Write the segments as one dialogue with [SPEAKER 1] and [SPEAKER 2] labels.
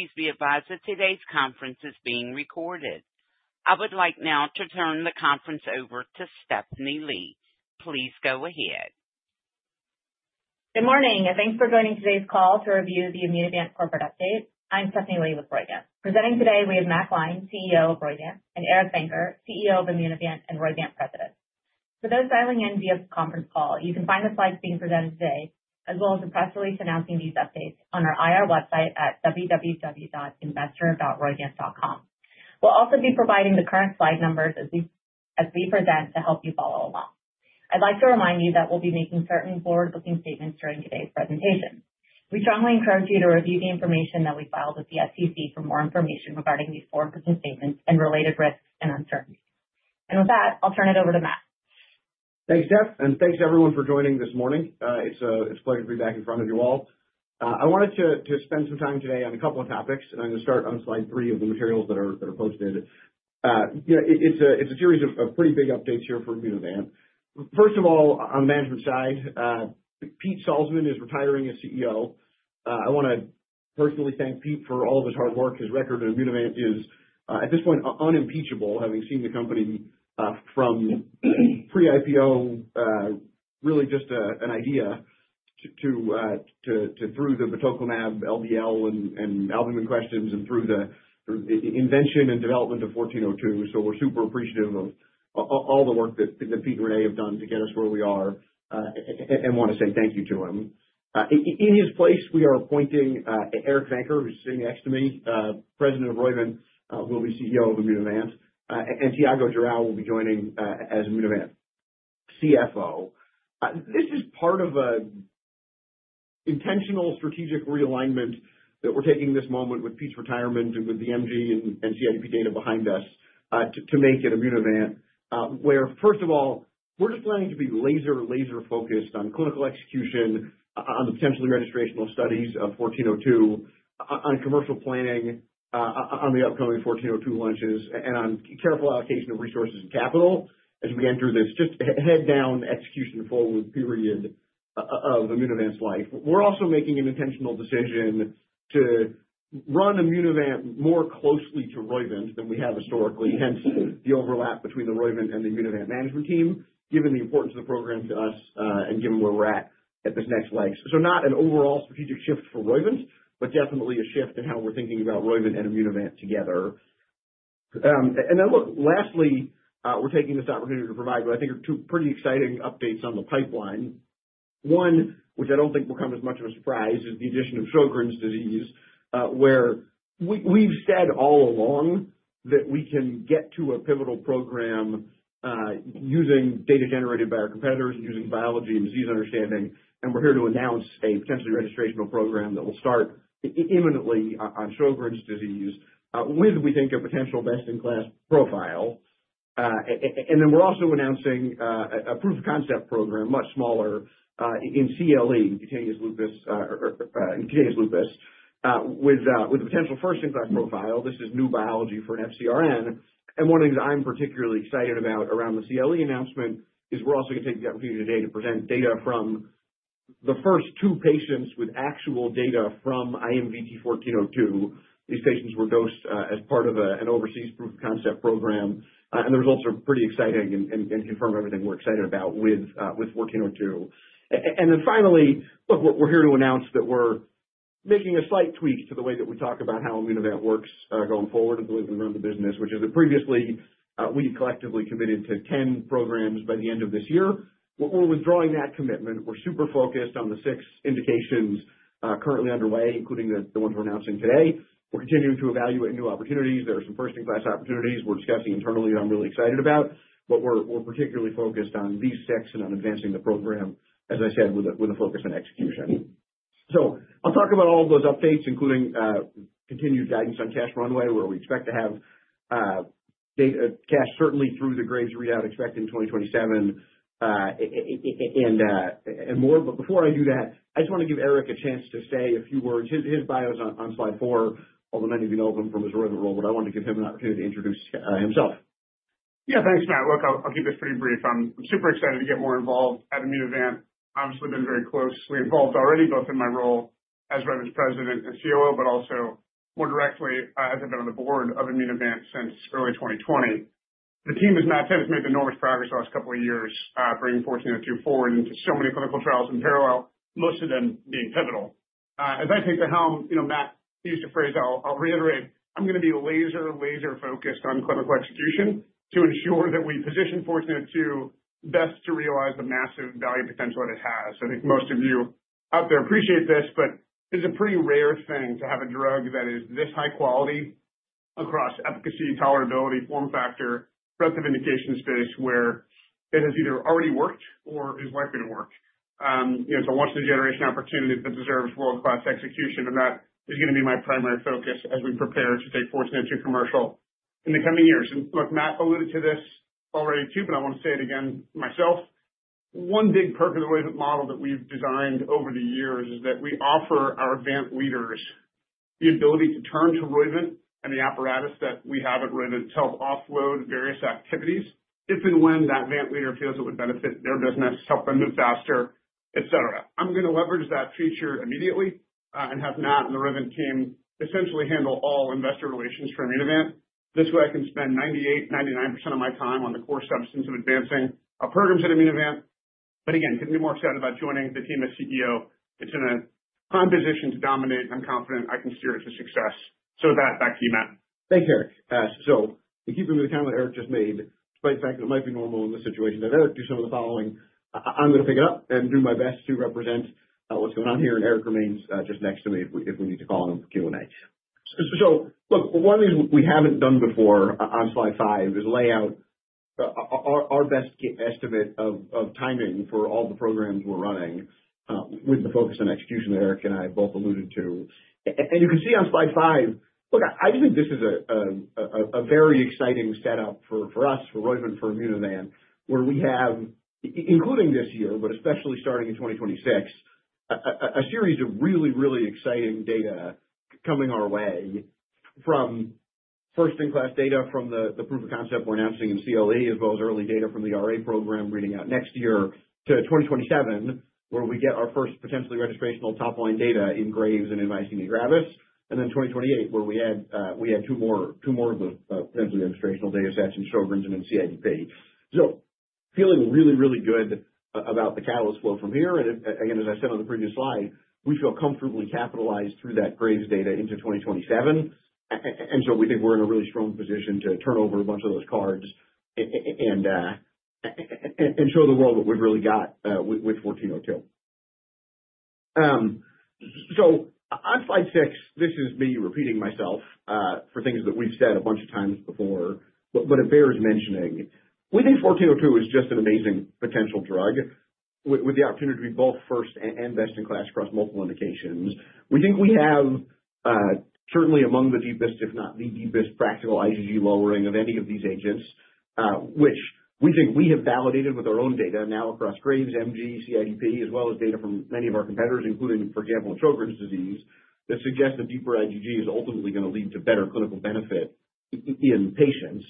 [SPEAKER 1] Please be advised that today's conference is being recorded. I would like now to turn the conference over to Stephanie Lee. Please go ahead.
[SPEAKER 2] Good morning, and thanks for joining today's call to review the Immunovant Corporate Update. I'm Stephanie Lee with Roivant. Presenting today, we have Matt Kline, CEO of Roivant, and Eric Banker, CEO of Immunovant and Roivant President. For those dialing in via conference call, you can find the slides being presented today, as well as the press release announcing these updates on our IR website at www.investor.roivant.com. We will also be providing the current slide numbers as we present to help you follow along. I would like to remind you that we will be making certain forward-looking statements during today's presentation. We strongly encourage you to review the information that we filed with the SEC for more information regarding these forward-looking statements and related risks and uncertainties. With that, I will turn it over to Matt.
[SPEAKER 3] Thanks, Steph, and thanks everyone for joining this morning. It's a pleasure to be back in front of you all. I wanted to spend some time today on a couple of topics, and I'm going to start on slide three of the materials that are posted. It's a series of pretty big updates here for Immunovant. First of all, on the management side, Pete Salzmann is retiring as CEO. I want to personally thank Pete for all of his hard work. His record at Immunovant is, at this point, unimpeachable, having seen the company from pre-IPO, really just an idea, through the batoclimab, LBL, and albumin questions, and through the invention and development of IMVT-1402. We are super appreciative of all the work that Pete and Renee have done to get us where we are, and want to say thank you to him. In his place, we are appointing Eric Venker, who's sitting next to me, President of Roivant, will be CEO of Immunovant, and Tiago Girão will be joining as Immunovant CFO. This is part of an intentional strategic realignment that we're taking this moment with Pete's retirement and with the MG and CIDP data behind us to make at Immunovant, where, first of all, we're just planning to be laser-focused on clinical execution, on the potentially registrational studies of IMVT-1402, on commercial planning, on the upcoming IMVT-1402 launches, and on careful allocation of resources and capital as we enter this just head-down execution forward period of Immunovant's life. We're also making an intentional decision to run Immunovant more closely to Roivant than we have historically, hence the overlap between the Roivant and the Immunovant management team, given the importance of the program to us and given where we're at at this next leg. Not an overall strategic shift for Roivant, but definitely a shift in how we're thinking about Roivant and Immunovant together. Lastly, we're taking this opportunity to provide what I think are two pretty exciting updates on the pipeline. One, which I don't think will come as much of a surprise, is the addition of Sjögren's disease, where we've said all along that we can get to a pivotal program using data generated by our competitors, using biology and disease understanding, and we're here to announce a potentially registrational program that will start imminently on Sjögren's disease with, we think, a potential best-in-class profile. We are also announcing a proof-of-concept program, much smaller, in CLE, in cutaneous lupus erythematosus, with a potential first-in-class profile. This is new biology for an FcRn. One of the things I'm particularly excited about around the CLE announcement is we're also going to take the opportunity today to present data from the first two patients with actual data from IMVT-1402. These patients were dosed as part of an overseas proof-of-concept program, and the results are pretty exciting and confirm everything we're excited about with IMVT-1402. Finally, we're here to announce that we're making a slight tweak to the way that we talk about how Immunovant works going forward and the way we run the business, which is that previously we had collectively committed to 10 programs by the end of this year. We're withdrawing that commitment. We're super focused on the six indications currently underway, including the ones we're announcing today. We're continuing to evaluate new opportunities. There are some first-in-class opportunities we're discussing internally that I'm really excited about, but we're particularly focused on these six and on advancing the program, as I said, with a focus on execution. I'll talk about all of those updates, including continued guidance on cash runway, where we expect to have cash certainly through the Graves readout expected in 2027 and more. Before I do that, I just want to give Eric a chance to say a few words. His bio is on slide four, although many of you know of him from his Roivant role, but I wanted to give him an opportunity to introduce himself.
[SPEAKER 4] Yeah, thanks, Matt. Look, I'll keep this pretty brief. I'm super excited to get more involved at Immunovant. Obviously, I've been very closely involved already, both in my role as Roivant's President and COO, but also more directly as I've been on the board of Immunovant since early 2020. The team has made enormous progress the last couple of years bringing IMVT-1402 forward into so many clinical trials in parallel, most of them being pivotal. As I take the helm, Matt used a phrase I'll reiterate. I'm going to be laser-focused on clinical execution to ensure that we position IMVT-1402 best to realize the massive value potential that it has. I think most of you out there appreciate this, but it's a pretty rare thing to have a drug that is this high quality across efficacy, tolerability, form factor, breadth of indication space, where it has either already worked or is likely to work. It's a once-in-a-generation opportunity that deserves world-class execution, and that is going to be my primary focus as we prepare to take IMVT-1402 commercial in the coming years. Matt alluded to this already too, but I want to say it again myself. One big perk of the Roivant model that we've designed over the years is that we offer our advanced leaders the ability to turn to Roivant and the apparatus that we have at Roivant to help offload various activities if and when that advanced leader feels it would benefit their business, help them move faster, etc. I'm going to leverage that feature immediately and have Matt and the Roivant team essentially handle all investor relations for Immunovant. This way, I can spend 98%-99% of my time on the core substance of advancing our programs at Immunovant. Again, couldn't be more excited about joining the team as CEO. It's in a prime position to dominate. I'm confident I can steer it to success. With that, back to you, Matt.
[SPEAKER 3] Thanks, Eric. In keeping with the comment Eric just made, despite the fact that it might be normal in this situation that Eric do some of the following, I'm going to pick it up and do my best to represent what's going on here, and Eric remains just next to me if we need to call on him for Q&A. One of the things we haven't done before on slide five is lay out our best estimate of timing for all the programs we're running with the focus on execution that Eric and I both alluded to. You can see on slide five, look, I just think this is a very exciting setup for us, for Roivant, for Immunovant, where we have, including this year, but especially starting in 2026, a series of really, really exciting data coming our way from first-in-class data from the proof-of-concept we're announcing in CLE, as well as early data from the RA program reading out next year to 2027, where we get our first potentially registrational top-line data in Graves and in myasthenia ravis. In 2028, we have two more of the potentially registrational data sets in Sjögren's and in CIDP. Feeling really, really good about the catalyst flow from here. As I said on the previous slide, we feel comfortably capitalized through that Graves data into 2027. We think we're in a really strong position to turn over a bunch of those cards and show the world what we've really got with IMVT-1402. On slide six, this is me repeating myself for things that we've said a bunch of times before, but it bears mentioning. We think IMVT-1402 is just an amazing potential drug with the opportunity to be both first and best-in-class across multiple indications. We think we have certainly among the deepest, if not the deepest, practical IgG lowering of any of these agents, which we think we have validated with our own data now across Graves, MG, CIDP, as well as data from many of our competitors, including, for example, Sjögren's disease, that suggests that deeper IgG is ultimately going to lead to better clinical benefit in patients.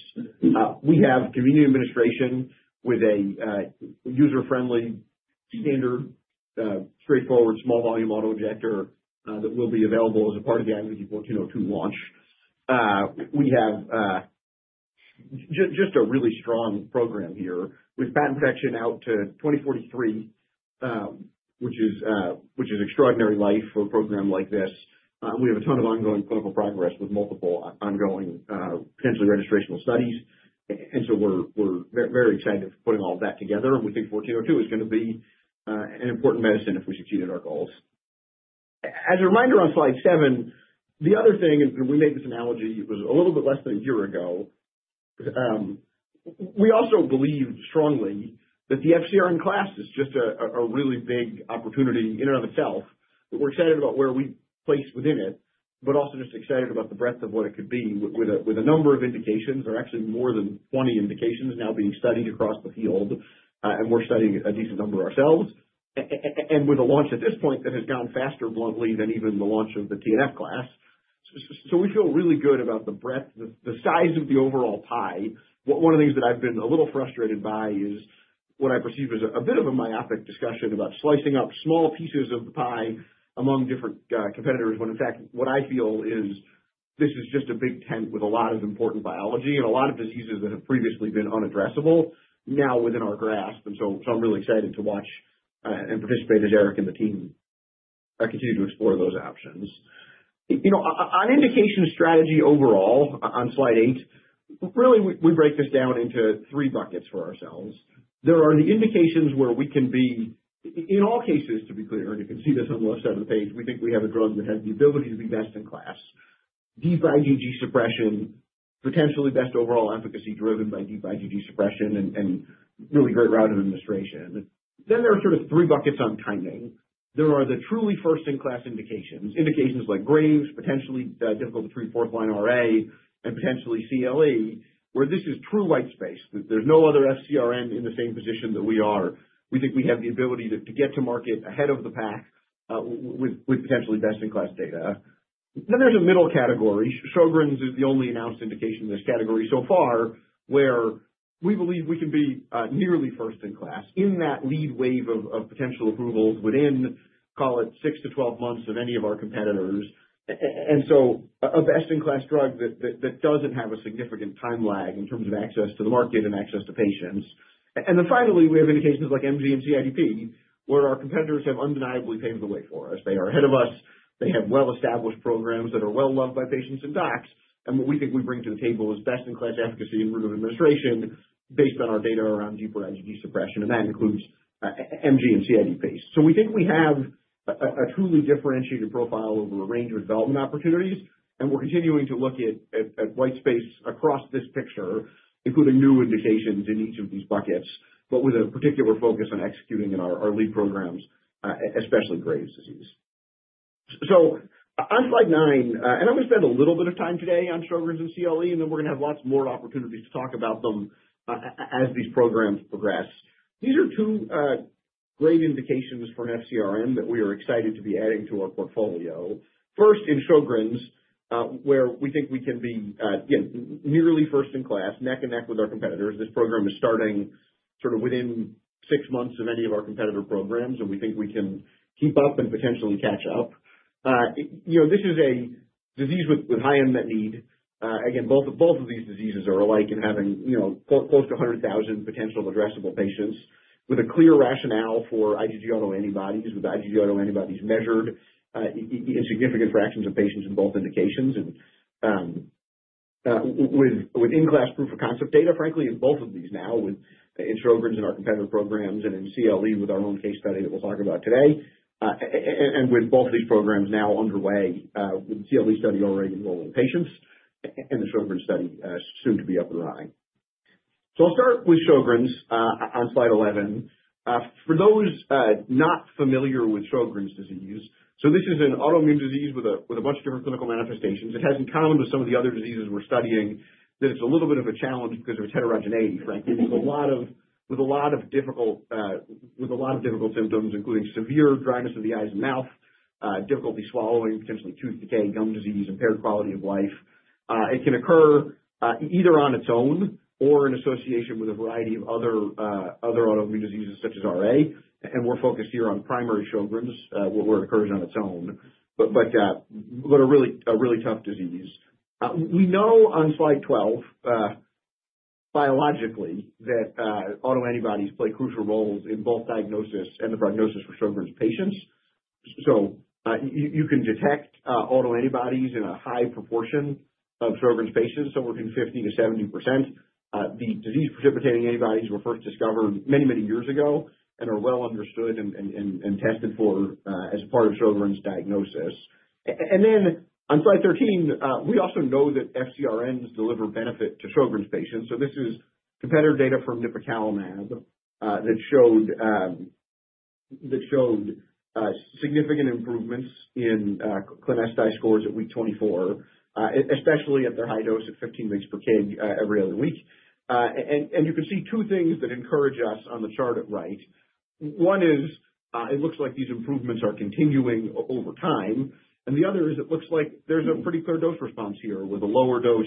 [SPEAKER 3] We have community administration with a user-friendly, standard, straightforward, small-volume autoinjector that will be available as a part of the IMVT-1402 launch. We have just a really strong program here. We have patent protection out to 2043, which is extraordinary life for a program like this. We have a ton of ongoing clinical progress with multiple ongoing potentially registrational studies. We are very excited for putting all of that together, and we think IMVT-1402 is going to be an important medicine if we succeed at our goals. As a reminder, on slide seven, the other thing, and we made this analogy a little bit less than a year ago, we also believe strongly that the FcRn class is just a really big opportunity in and of itself. We're excited about where we place within it, but also just excited about the breadth of what it could be with a number of indications. There are actually more than 20 indications now being studied across the field, and we're studying a decent number ourselves, with a launch at this point that has gone faster, bluntly, than even the launch of the TNF class. We feel really good about the breadth, the size of the overall pie. One of the things that I've been a little frustrated by is what I perceive as a bit of a myopic discussion about slicing up small pieces of the pie among different competitors, when in fact, what I feel is this is just a big tent with a lot of important biology and a lot of diseases that have previously been unaddressable now within our grasp. I'm really excited to watch and participate as Eric and the team continue to explore those options. On indication strategy overall, on slide eight, really, we break this down into three buckets for ourselves. There are the indications where we can be, in all cases, to be clear, and you can see this on the left side of the page, we think we have a drug that has the ability to be best-in-class, deep IgG suppression, potentially best overall efficacy driven by deep IgG suppression, and really great route of administration. There are sort of three buckets on timing. There are the truly first-in-class indications, indications like Graves, potentially difficult to treat fourth-line RA, and potentially CLE, where this is true white space. There's no other FcRn in the same position that we are. We think we have the ability to get to market ahead of the pack with potentially best-in-class data. There is a middle category. Sjögren's is the only announced indication in this category so far, where we believe we can be nearly first-in-class in that lead wave of potential approvals within, call it, 6-12 months of any of our competitors, and so a best-in-class drug that does not have a significant time lag in terms of access to the market and access to patients. Finally, we have indications like MG and CIDP, where our competitors have undeniably paved the way for us. They are ahead of us. They have well-established programs that are well-loved by patients and docs, and what we think we bring to the table is best-in-class efficacy in room administration based on our data around deeper IgG suppression, and that includes MG and CIDP. We think we have a truly differentiated profile over a range of development opportunities, and we're continuing to look at white space across this picture, including new indications in each of these buckets, but with a particular focus on executing in our lead programs, especially Graves disease. On slide nine, I'm going to spend a little bit of time today on Sjögren's and CLE, and then we're going to have lots more opportunities to talk about them as these programs progress. These are two great indications for an FcRn that we are excited to be adding to our portfolio. First, in Sjögren's, where we think we can be nearly first-in-class, neck and neck with our competitors. This program is starting sort of within six months of any of our competitor programs, and we think we can keep up and potentially catch up. This is a disease with high unmet need. Again, both of these diseases are alike in having close to 100,000 potential addressable patients with a clear rationale for IgG autoantibodies, with IgG autoantibodies measured in significant fractions of patients in both indications, and with in-class proof-of-concept data, frankly, in both of these now, with in Sjögren's and our competitor programs, and in CLE with our own case study that we'll talk about today, and with both of these programs now underway, with the CLE study already enrolling patients and the Sjögren's study soon to be up and running. I'll start with Sjögren's on slide 11. For those not familiar with Sjögren's disease, this is an autoimmune disease with a bunch of different clinical manifestations. It has in common with some of the other diseases we're studying that it's a little bit of a challenge because of its heterogeneity, frankly, with a lot of difficult symptoms, including severe dryness of the eyes and mouth, difficulty swallowing, potentially tooth decay, gum disease, impaired quality of life. It can occur either on its own or in association with a variety of other autoimmune diseases such as RA, and we're focused here on primary Sjögren's, where it occurs on its own, but a really tough disease. We know on slide 12 biologically that autoantibodies play crucial roles in both diagnosis and the prognosis for Sjögren's patients. You can detect autoantibodies in a high proportion of Sjögren's patients, somewhere between 50% and 70%. The disease-precipitating antibodies were first discovered many, many years ago and are well understood and tested for as part of Sjögren's diagnosis. On slide 13, we also know that FcRn inhibitors deliver benefit to Sjögren's patients. This is competitor data from nipocalimab that showed significant improvements in clinESSDAI scores at week 24, especially at their high dose at 15 mg per kg every other week. You can see two things that encourage us on the chart at right. One is it looks like these improvements are continuing over time, and the other is it looks like there's a pretty clear dose response here where the lower dose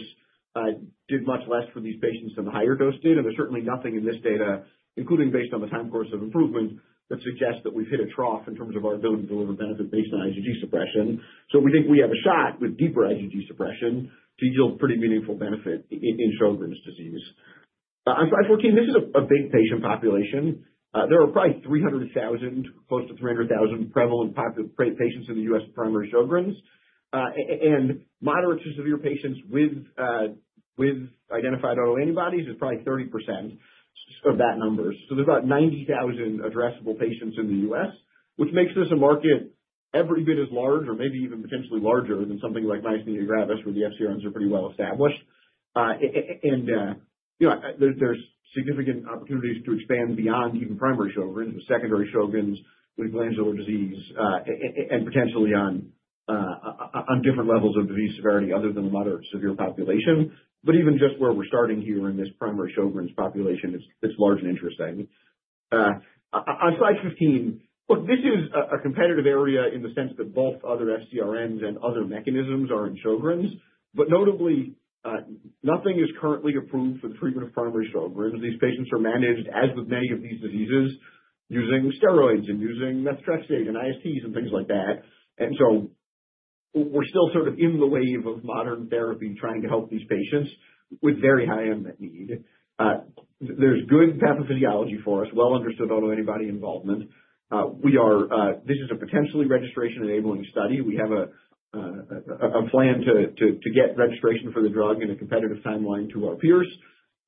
[SPEAKER 3] did much less for these patients than the higher dose did, and there's certainly nothing in this data, including based on the time course of improvement, that suggests that we've hit a trough in terms of our ability to deliver benefit based on IgG suppression. We think we have a shot with deeper IgG suppression to yield pretty meaningful benefit in Sjögren's disease. On slide 14, this is a big patient population. There are probably 300,000, close to 300,000 prevalent patients in the U.S. with primary Sjögren's, and moderate to severe patients with identified autoantibodies is probably 30% of that number. So there's about 90,000 addressable patients in the U.S., which makes this a market every bit as large or maybe even potentially larger than something like myasthenia gravis, where the FcRNs are pretty well established. There are significant opportunities to expand beyond even primary Sjögren's with secondary Sjögren's with glandular disease and potentially on different levels of disease severity other than the moderate to severe population. Even just where we're starting here in this primary Sjögren's population, it's large and interesting. On slide 15, look, this is a competitive area in the sense that both other FcRNs and other mechanisms are in Sjögren's, but notably, nothing is currently approved for the treatment of primary Sjögren's. These patients are managed, as with many of these diseases, using steroids and using methotrexate and ISTs and things like that. We are still sort of in the wave of modern therapy trying to help these patients with very high unmet need. There is good pathophysiology for us, well-understood autoantibody involvement. This is a potentially registration-enabling study. We have a plan to get registration for the drug in a competitive timeline to our peers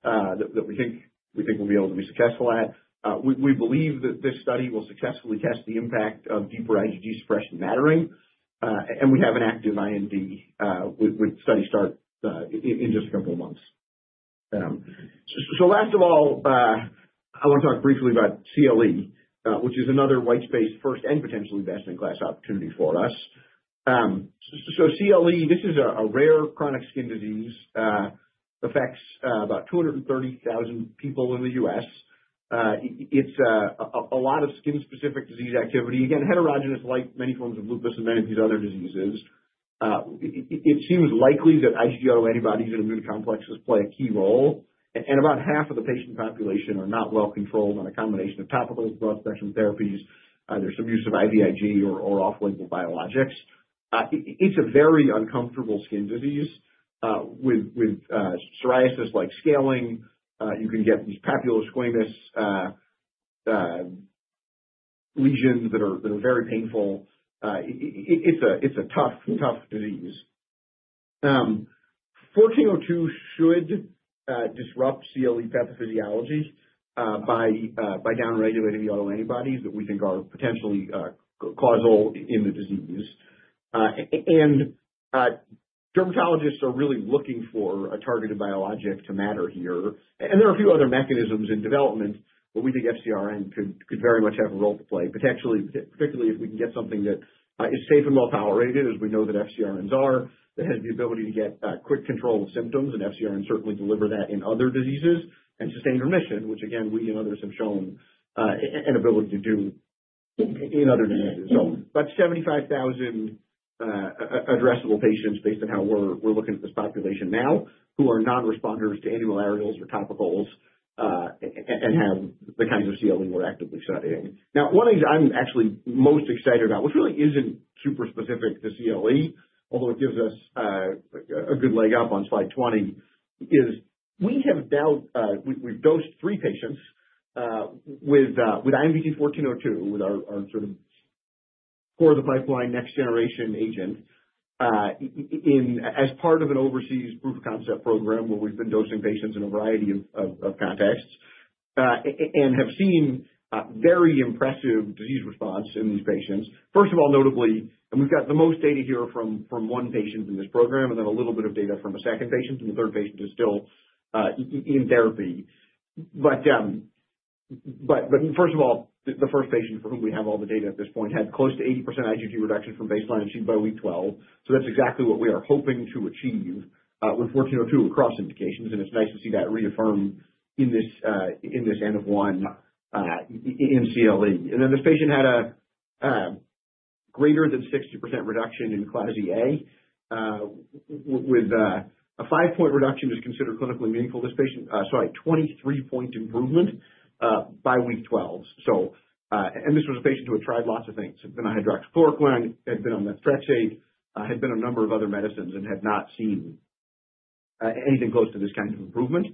[SPEAKER 3] that we think we will be able to be successful at. We believe that this study will successfully test the impact of deeper IgG suppression mattering, and we have an active IND with study start in just a couple of months. Last of all, I want to talk briefly about CLE, which is another white space first and potentially best-in-class opportunity for us. CLE, this is a rare chronic skin disease. It affects about 230,000 people in the U.S. It is a lot of skin-specific disease activity. Again, heterogeneous like many forms of lupus and many of these other diseases. It seems likely that IgG autoantibodies and immune complexes play a key role, and about half of the patient population are not well controlled on a combination of topical growth-spectrum therapies, either some use of IVIG or off-label biologics. It is a very uncomfortable skin disease with psoriasis-like scaling. You can get these papular squamous lesions that are very painful. It is a tough disease. IMVT-1402 should disrupt CLE pathophysiology by downregulating the autoantibodies that we think are potentially causal in the disease. Dermatologists are really looking for a targeted biologic to matter here. There are a few other mechanisms in development, but we think FcRn could very much have a role to play, potentially, particularly if we can get something that is safe and well-tolerated, as we know that FcRns are, that has the ability to get quick control of symptoms, and FcRns certainly deliver that in other diseases and sustained remission, which, again, we and others have shown an ability to do in other diseases. About 75,000 addressable patients based on how we're looking at this population now who are non-responders to annual orals or topicals and have the kinds of CLE we're actively studying. Now, one of the things I'm actually most excited about, which really isn't super specific to CLE, although it gives us a good leg up on slide 20, is we have now dosed three patients with IMVT-1402, with our sort of core of the pipeline next-generation agent as part of an overseas proof-of-concept program where we've been dosing patients in a variety of contexts and have seen very impressive disease response in these patients. First of all, notably, and we've got the most data here from one patient in this program and then a little bit of data from a second patient, and the third patient is still in therapy. First of all, the first patient for whom we have all the data at this point had close to 80% IgG reduction from baseline achieved by week 12. That is exactly what we are hoping to achieve with IMVT-1402 across indications, and it is nice to see that reaffirmed in this N of 1 in CLE. This patient had a greater than 60% reduction in CLASI-A, with a five-point reduction considered clinically meaningful. This patient, sorry, 23-point improvement by week 12. This was a patient who had tried lots of things, had been on hydroxychloroquine, had been on methotrexate, had been on a number of other medicines, and had not seen anything close to this kind of improvement.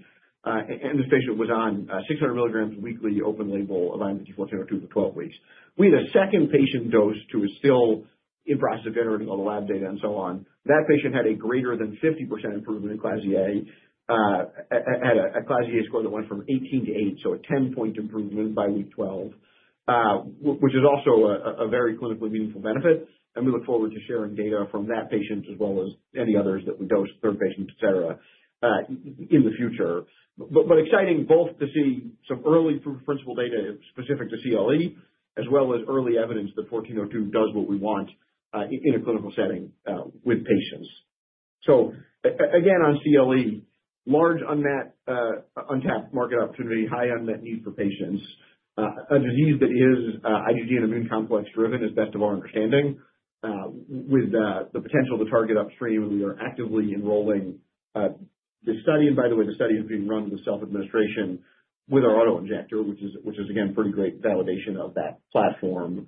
[SPEAKER 3] This patient was on 600 mg weekly open-label of IMVT-1402 for 12 weeks. We had a second patient dosed who is still in process of generating all the lab data and so on. That patient had a greater than 50% improvement in CLASI-A, had a CLASI-A score that went from 18 to 8, so a 10-point improvement by week 12, which is also a very clinically meaningful benefit. We look forward to sharing data from that patient as well as any others that we dose, third patients, etc., in the future. Exciting both to see some early proof-of-principle data specific to CLE as well as early evidence that IMVT-1402 does what we want in a clinical setting with patients. Again, on CLE, large untapped market opportunity, high unmet need for patients, a disease that is IgG and immune complex driven as best of our understanding, with the potential to target upstream. We are actively enrolling this study, and by the way, the study is being run with self-administration with our autoinjector, which is, again, pretty great validation of that platform.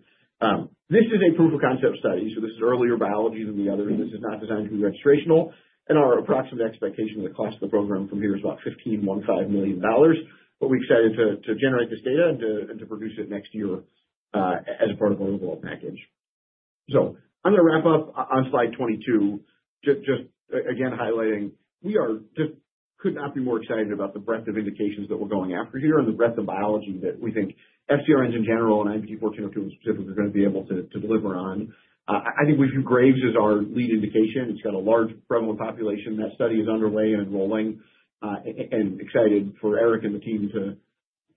[SPEAKER 3] This is a proof-of-concept study, so this is earlier biology than the others. This is not designed to be registrational, and our approximate expectation of the cost of the program from here is about $15.15 million, but we're excited to generate this data and to produce it next year as part of our overall package. I'm going to wrap up on slide 22, just again highlighting we could not be more excited about the breadth of indications that we're going after here and the breadth of biology that we think FcRNs in general and IMVT-1402 in specific are going to be able to deliver on. I think we've viewed Graves as our lead indication. It's got a large prevalent population. That study is underway and enrolling, and excited for Eric and the team to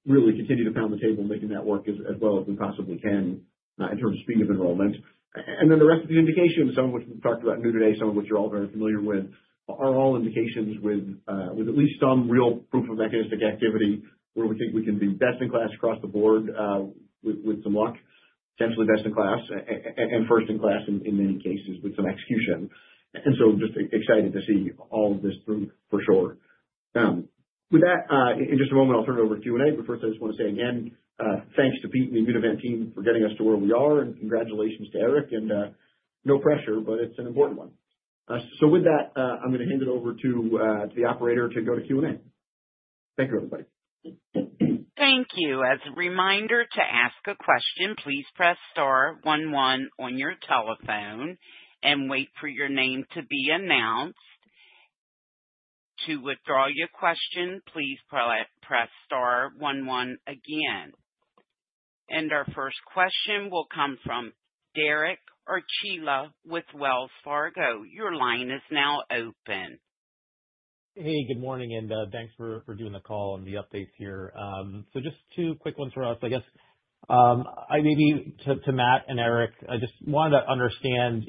[SPEAKER 3] really continue to pound the table, making that work as well as we possibly can in terms of speed of enrollment. The rest of the indications, some of which we've talked about new today, some of which you're all very familiar with, are all indications with at least some real proof-of-mechanistic activity where we think we can be best-in-class across the board with some luck, potentially best-in-class and first-in-class in many cases with some execution. Just excited to see all of this through for sure. With that, in just a moment, I'll turn it over to Q&A, but first, I just want to say again, thanks to Pete and the Immunovant team for getting us to where we are, and congratulations to Eric. No pressure, but it's an important one. With that, I'm going to hand it over to the operator to go to Q&A. Thank you, everybody.
[SPEAKER 1] Thank you. As a reminder to ask a question, please press star one one on your telephone and wait for your name to be announced. To withdraw your question, please press star one one again. Our first question will come from Derek Archila with Wells Fargo. Your line is now open.
[SPEAKER 5] Hey, good morning, and thanks for doing the call and the updates here. Just two quick ones for us. I guess maybe to Matt and Eric, I just wanted to understand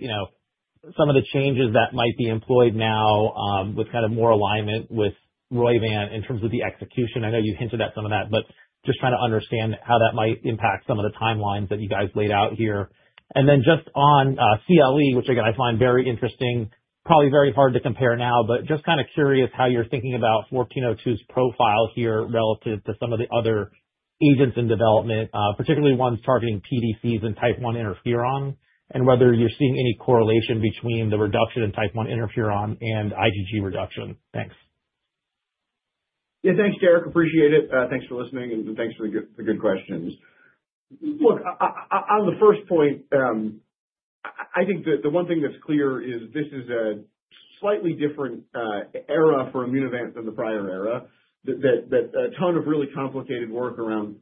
[SPEAKER 5] some of the changes that might be employed now with kind of more alignment with Roivant in terms of the execution. I know you hinted at some of that, just trying to understand how that might impact some of the timelines that you guys laid out here. Just on CLE, which again, I find very interesting, probably very hard to compare now, just kind of curious how you're thinking about IMVT-1402's profile here relative to some of the other agents in development, particularly ones targeting PDCs and type I interferon, and whether you're seeing any correlation between the reduction in type I interferon and IgG reduction. Thanks.
[SPEAKER 3] Yeah, thanks, Derek. Appreciate it. Thanks for listening, and thanks for the good questions. Look, on the first point, I think the one thing that's clear is this is a slightly different era for Immunovant than the prior era, that a ton of really complicated work around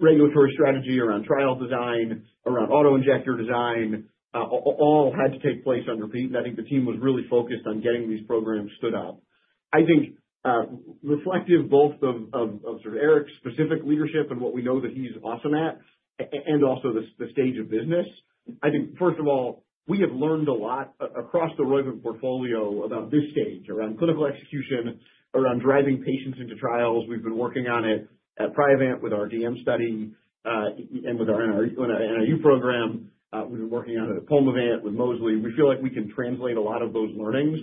[SPEAKER 3] regulatory strategy, around trial design, around autoinjector design, all had to take place under Pete, and I think the team was really focused on getting these programs stood up. I think reflective both of sort of Eric's specific leadership and what we know that he's awesome at, and also the stage of business. I think, first of all, we have learned a lot across the Roivant portfolio about this stage around clinical execution, around driving patients into trials. We've been working on it at Priovant with our DM study and with our NIU program. We've been working on it at Pulmivant with moselimumab. We feel like we can translate a lot of those learnings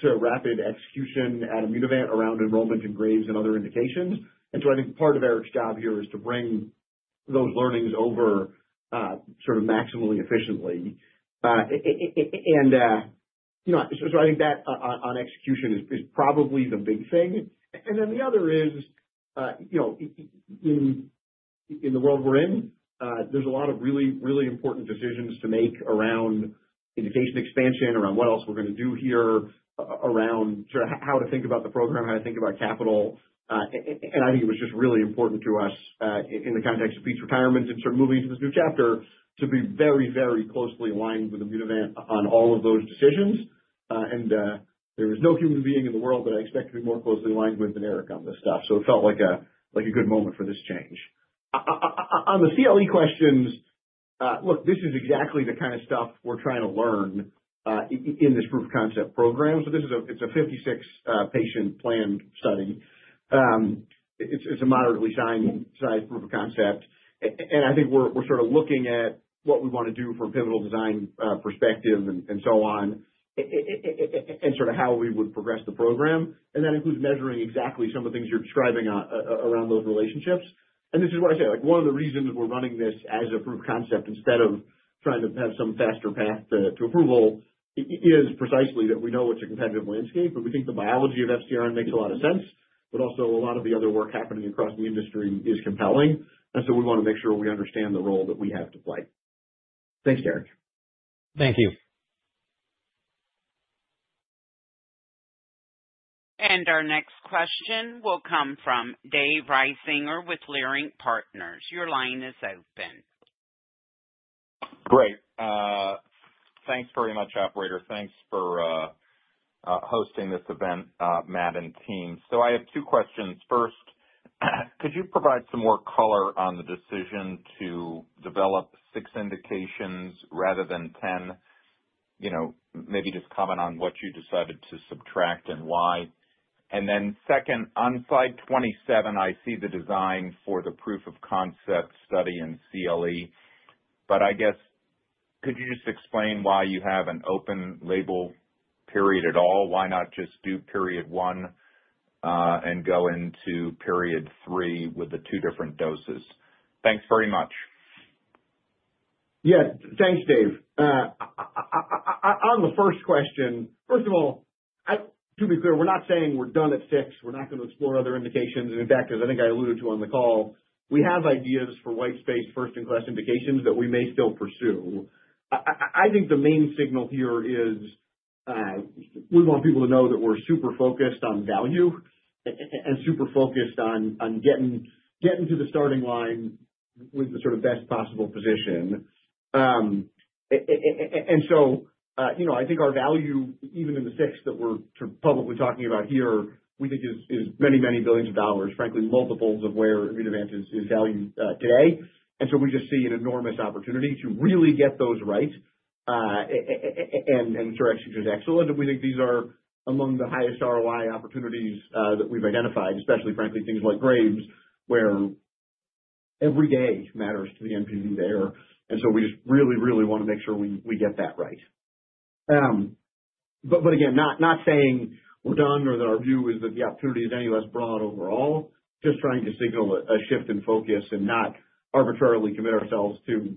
[SPEAKER 3] to rapid execution at Immunovant around enrollment in Graves and other indications. I think part of Eric's job here is to bring those learnings over sort of maximally efficiently. I think that on execution is probably the big thing. The other is, in the world we're in, there's a lot of really, really important decisions to make around indication expansion, around what else we're going to do here, around sort of how to think about the program, how to think about capital. I think it was just really important to us in the context of Pete's retirement and sort of moving into this new chapter to be very, very closely aligned with Immunovant on all of those decisions. There is no human being in the world that I expect to be more closely aligned with than Eric on this stuff. It felt like a good moment for this change. On the CLE questions, look, this is exactly the kind of stuff we're trying to learn in this proof-of-concept program. It is a 56-patient planned study. It is a moderately sized proof-of-concept. I think we're sort of looking at what we want to do from a pivotal design perspective and so on, and sort of how we would progress the program. That includes measuring exactly some of the things you're describing around those relationships. This is what I say. One of the reasons we're running this as a proof-of-concept instead of trying to have some faster path to approval is precisely that we know it's a competitive landscape, but we think the biology of FcRn makes a lot of sense, but also a lot of the other work happening across the industry is compelling. We want to make sure we understand the role that we have to play. Thanks, Derek.
[SPEAKER 5] Thank you.
[SPEAKER 1] Our next question will come from Dave Risinger with Leerink Partners. Your line is open.
[SPEAKER 6] Great. Thanks very much, operator. Thanks for hosting this event, Matt and team. I have two questions. First, could you provide some more color on the decision to develop six indications rather than 10? Maybe just comment on what you decided to subtract and why. Second, on slide 27, I see the design for the proof-of-concept study in CLE, but I guess could you just explain why you have an open label period at all? Why not just do period one and go into period three with the two different doses? Thanks very much.
[SPEAKER 3] Yeah, thanks, Dave. On the first question, first of all, to be clear, we're not saying we're done at six. We're not going to explore other indications. In fact, as I think I alluded to on the call, we have ideas for white space first-in-class indications that we may still pursue. I think the main signal here is we want people to know that we're super focused on value and super focused on getting to the starting line with the sort of best possible position. I think our value, even in the six that we're sort of publicly talking about here, we think is many, many billions of dollars, frankly, multiples of where Immunovant is valued today. We just see an enormous opportunity to really get those right and which are actually just excellent. We think these are among the highest ROI opportunities that we've identified, especially, frankly, things like Graves where every day matters to the NPV there. We just really, really want to make sure we get that right. Again, not saying we're done or that our view is that the opportunity is any less broad overall, just trying to signal a shift in focus and not arbitrarily commit ourselves to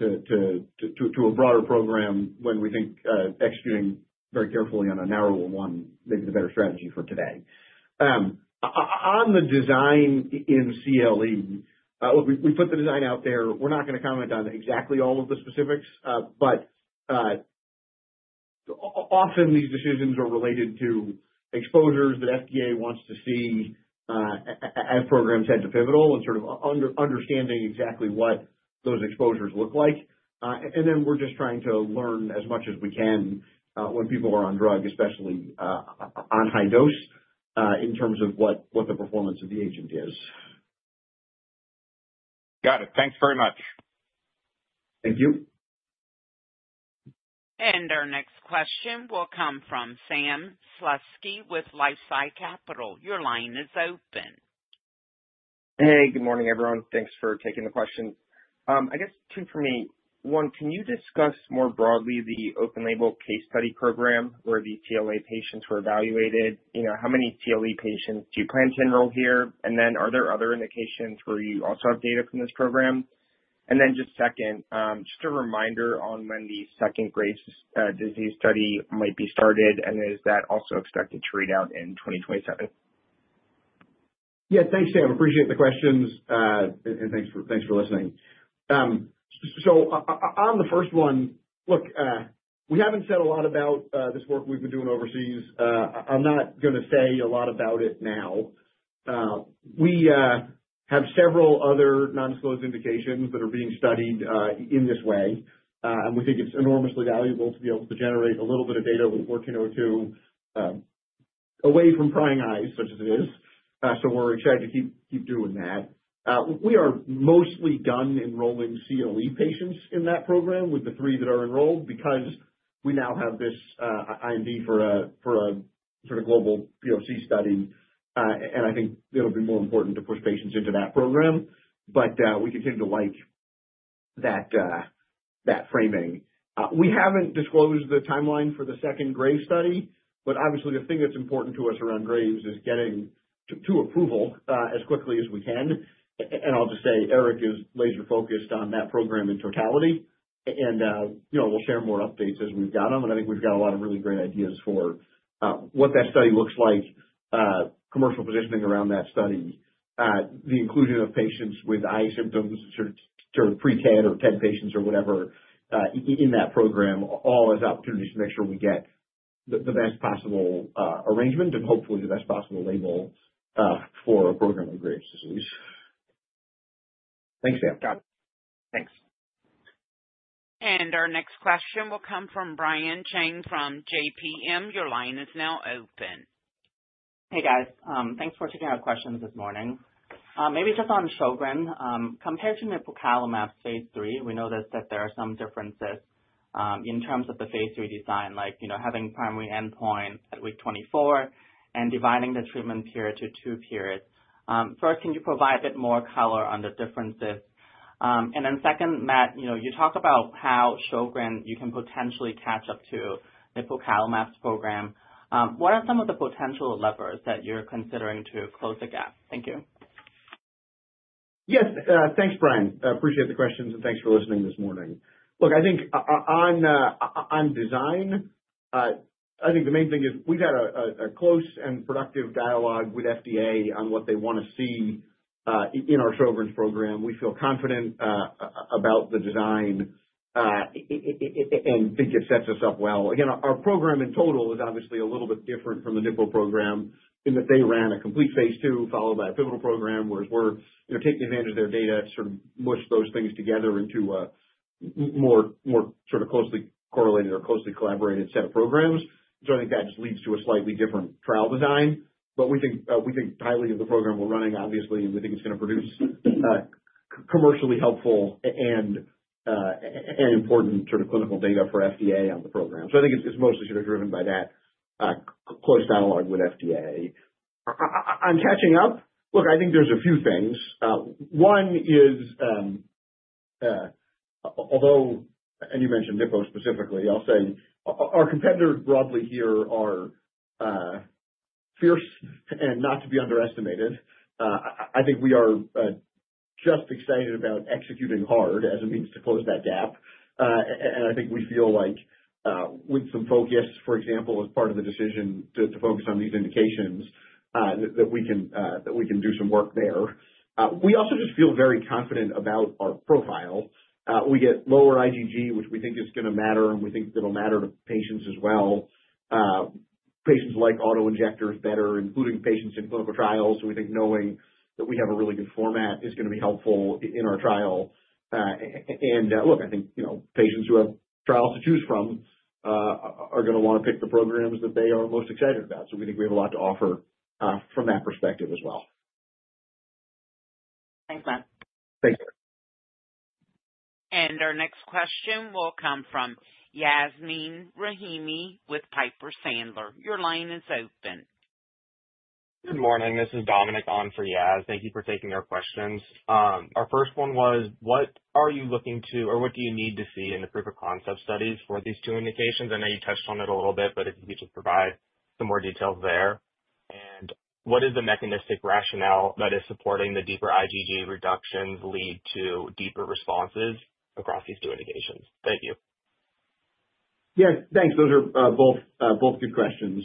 [SPEAKER 3] a broader program when we think executing very carefully on a narrower one may be the better strategy for today. On the design in CLE, we put the design out there. We're not going to comment on exactly all of the specifics, but often these decisions are related to exposures that FDA wants to see as programs head to pivotal and sort of understanding exactly what those exposures look like. We're just trying to learn as much as we can when people are on drug, especially on high dose, in terms of what the performance of the agent is.
[SPEAKER 6] Got it. Thanks very much.
[SPEAKER 3] Thank you.
[SPEAKER 1] Our next question will come from Sam Slutsky with LifeSci Capital. Your line is open.
[SPEAKER 7] Hey, good morning, everyone. Thanks for taking the question. I guess two for me. One, can you discuss more broadly the open-label case study program where the CLE patients were evaluated? How many CLE patients do you plan to enroll here? Are there other indications where you also have data from this program? Just second, just a reminder on when the second Graves' disease study might be started, and is that also expected to read out in 2027?
[SPEAKER 3] Yeah, thanks, Sam. Appreciate the questions, and thanks for listening. On the first one, look, we haven't said a lot about this work we've been doing overseas. I'm not going to say a lot about it now. We have several other nondisclosed indications that are being studied in this way, and we think it's enormously valuable to be able to generate a little bit of data with IMVT-1402 away from prying eyes such as it is. We're excited to keep doing that. We are mostly done enrolling CLE patients in that program with the three that are enrolled because we now have this IMD for a sort of global POC study, and I think it'll be more important to push patients into that program. We continue to like that framing. We haven't disclosed the timeline for the second Graves study, but obviously, the thing that's important to us around Graves is getting to approval as quickly as we can. I'll just say Eric is laser-focused on that program in totality, and we'll share more updates as we've got them. I think we've got a lot of really great ideas for what that study looks like, commercial positioning around that study, the inclusion of patients with eye symptoms, sort of pre-TED or TED patients or whatever in that program, all as opportunities to make sure we get the best possible arrangement and hopefully the best possible label for a program on Graves disease. Thanks, Sam.
[SPEAKER 7] Got it. Thanks.
[SPEAKER 1] Our next question will come from Brian Cheng from JPMorgan. Your line is now open.
[SPEAKER 8] Hey, guys. Thanks for taking our questions this morning. Maybe just on Sjögren, compared to nipocalimab phase III, we noticed that there are some differences in terms of the phase III design, like having primary endpoint at week 24 and dividing the treatment period to two periods. First, can you provide a bit more color on the differences? Then second, Matt, you talk about how Sjögren you can potentially catch up to nipocalimab's program. What are some of the potential levers that you're considering to close the gap? Thank you.
[SPEAKER 3] Yes, thanks, Brian. Appreciate the questions, and thanks for listening this morning. Look, I think on design, I think the main thing is we've had a close and productive dialogue with FDA on what they want to see in our Sjögren's program. We feel confident about the design and think it sets us up well. Again, our program in total is obviously a little bit different from the nipocalimab program in that they ran a complete phase II followed by a pivotal program, whereas we're taking advantage of their data to sort of mush those things together into a more sort of closely correlated or closely collaborated set of programs. I think that just leads to a slightly different trial design. We think highly of the program we're running, obviously, and we think it's going to produce commercially helpful and important sort of clinical data for FDA on the program. I think it's mostly sort of driven by that close dialogue with FDA. On catching up, look, I think there's a few things. One is, although, and you mentioned nipocalimab specifically, I'll say our competitors broadly here are fierce and not to be underestimated. I think we are just excited about executing hard as a means to close that gap. I think we feel like with some focus, for example, as part of the decision to focus on these indications, that we can do some work there. We also just feel very confident about our profile. We get lower IgG, which we think is going to matter, and we think it'll matter to patients as well. Patients like autoinjectors better, including patients in clinical trials. We think knowing that we have a really good format is going to be helpful in our trial. I think patients who have trials to choose from are going to want to pick the programs that they are most excited about. We think we have a lot to offer from that perspective as well.
[SPEAKER 8] Thanks, Matt.
[SPEAKER 3] Thank you.
[SPEAKER 1] Our next question will come from Yasmeen Rahimi with Piper Sandler. Your line is open.
[SPEAKER 9] Good morning. This is Dominic on for Yas. Thank you for taking our questions. Our first one was, what are you looking to or what do you need to see in the proof-of-concept studies for these two indications? I know you touched on it a little bit, but if you could just provide some more details there. What is the mechanistic rationale that is supporting the deeper IgG reductions lead to deeper responses across these two indications? Thank you.
[SPEAKER 3] Yeah, thanks. Those are both good questions.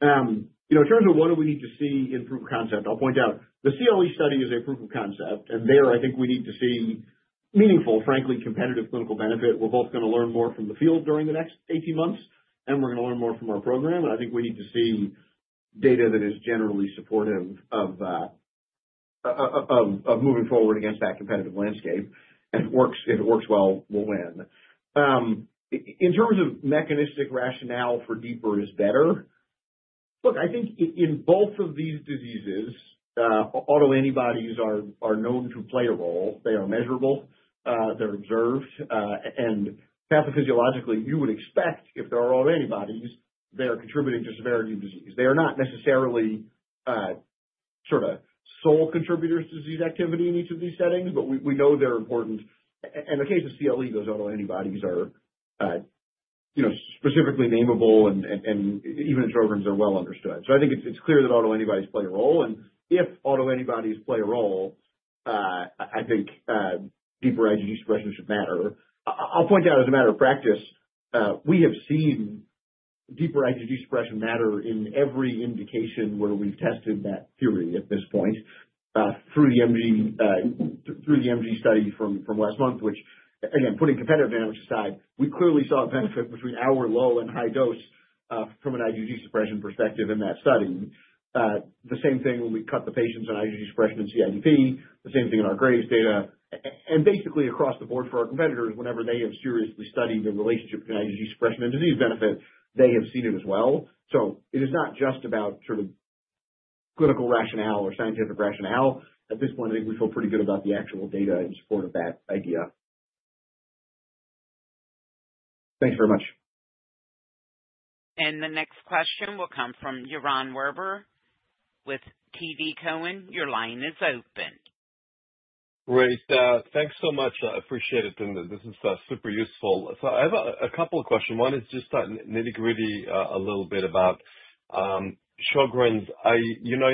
[SPEAKER 3] In terms of what do we need to see in proof-of-concept, I'll point out the CLE study is a proof-of-concept, and there, I think we need to see meaningful, frankly, competitive clinical benefit. We're both going to learn more from the field during the next 18 months, and we're going to learn more from our program. I think we need to see data that is generally supportive of moving forward against that competitive landscape. If it works well, we'll win. In terms of mechanistic rationale for deeper is better, look, I think in both of these diseases, autoantibodies are known to play a role. They are measurable. They're observed. Pathophysiologically, you would expect if there are autoantibodies, they are contributing to severity of disease. They are not necessarily sort of sole contributors to disease activity in each of these settings, but we know they're important. In the case of CLE, those autoantibodies are specifically namable, and even in Sjögren, they're well understood. I think it's clear that autoantibodies play a role. If autoantibodies play a role, I think deeper IgG suppression should matter. I'll point out as a matter of practice, we have seen deeper IgG suppression matter in every indication where we've tested that theory at this point through the MG study from last month, which, again, putting competitive management aside, we clearly saw a benefit between our low and high dose from an IgG suppression perspective in that study. The same thing when we cut the patients on IgG suppression in CIDP, the same thing in our Graves data. Basically across the board for our competitors, whenever they have seriously studied the relationship between IgG suppression and disease benefit, they have seen it as well. It is not just about sort of clinical rationale or scientific rationale. At this point, I think we feel pretty good about the actual data in support of that idea. Thanks very much.
[SPEAKER 1] The next question will come from Yaron Werber with TD Cowen. Your line is open.
[SPEAKER 10] Great. Thanks so much. I appreciate it. This is super useful. I have a couple of questions. One is just nitty-gritty a little bit about Sjögren's. I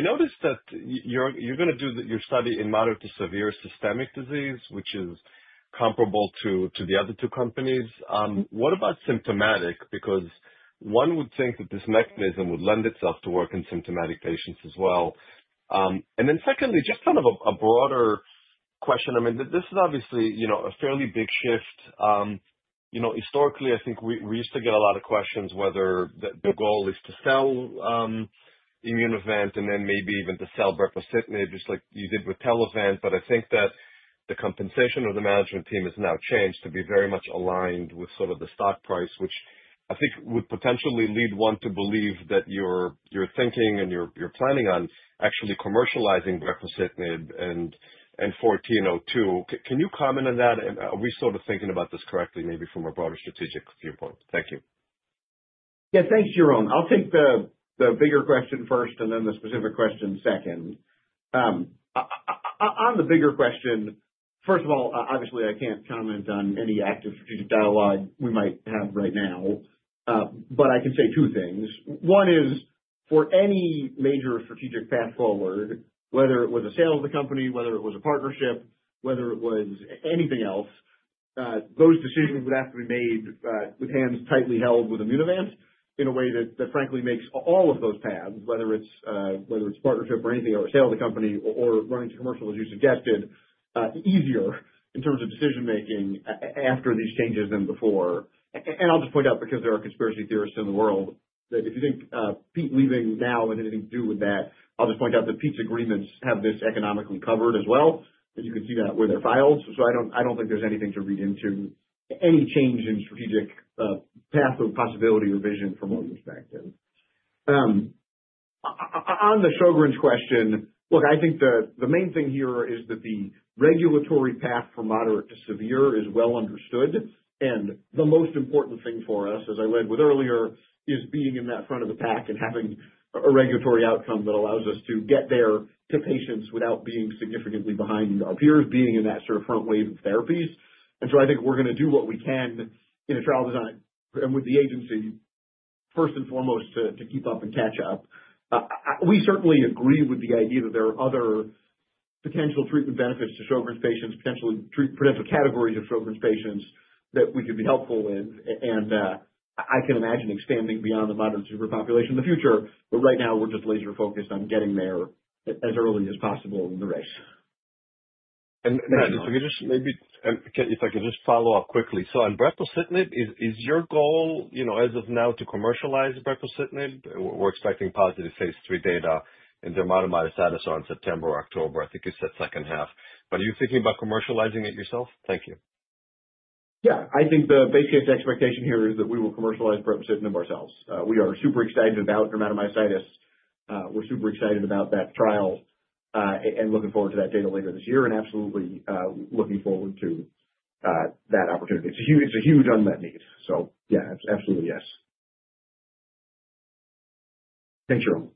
[SPEAKER 10] noticed that you're going to do your study in moderate to severe systemic disease, which is comparable to the other two companies. What about symptomatic? Because one would think that this mechanism would lend itself to work in symptomatic patients as well. Secondly, just kind of a broader question. I mean, this is obviously a fairly big shift. Historically, I think we used to get a lot of questions whether the goal is to sell Immunovant and then maybe even to sell brepocitinib just like you did with Telavant. I think that the compensation of the management team has now changed to be very much aligned with sort of the stock price, which I think would potentially lead one to believe that you're thinking and you're planning on actually commercializing brepocitinib and IMVT-1402. Can you comment on that? Are we sort of thinking about this correctly, maybe from a broader strategic viewpoint? Thank you.
[SPEAKER 3] Yeah, thanks, Yaron. I'll take the bigger question first and then the specific question second. On the bigger question, first of all, obviously, I can't comment on any active strategic dialogue we might have right now. I can say two things. One is for any major strategic path forward, whether it was a sale of the company, whether it was a partnership, whether it was anything else, those decisions would have to be made with hands tightly held with Immunovant in a way that, frankly, makes all of those paths, whether it's partnership or anything or a sale of the company or running to commercial, as you suggested, easier in terms of decision-making after these changes than before. I'll just point out, because there are conspiracy theorists in the world, that if you think Pete leaving now has anything to do with that, I'll just point out that Pete's agreements have this economically covered as well. You can see that where they're filed. I don't think there's anything to read into any change in strategic path of possibility or vision from what you're expecting. On the Sjögren's question, look, I think the main thing here is that the regulatory path from moderate to severe is well understood. The most important thing for us, as I led with earlier, is being in that front of the pack and having a regulatory outcome that allows us to get there to patients without being significantly behind our peers, being in that sort of front wave of therapies. I think we're going to do what we can in a trial design and with the agency, first and foremost, to keep up and catch up. We certainly agree with the idea that there are other potential treatment benefits to Sjögren's patients, potential categories of Sjögren's patients that we could be helpful in. I can imagine expanding beyond the moderate to severe population in the future. Right now, we're just laser-focused on getting there as early as possible in the race.
[SPEAKER 10] If I could just follow up quickly. On brepocitinib, is your goal as of now to commercialize brepocitinib? We're expecting positive phase III data, and their modified status on September or October. I think it's that second half. Are you thinking about commercializing it yourself? Thank you.
[SPEAKER 3] Yeah. I think the basic expectation here is that we will commercialize brepocitinib ourselves. We are super excited about dermatomyositis. We're super excited about that trial and looking forward to that data later this year and absolutely looking forward to that opportunity. It's a huge unmet need. Yeah, absolutely, yes. Thanks, Yaron.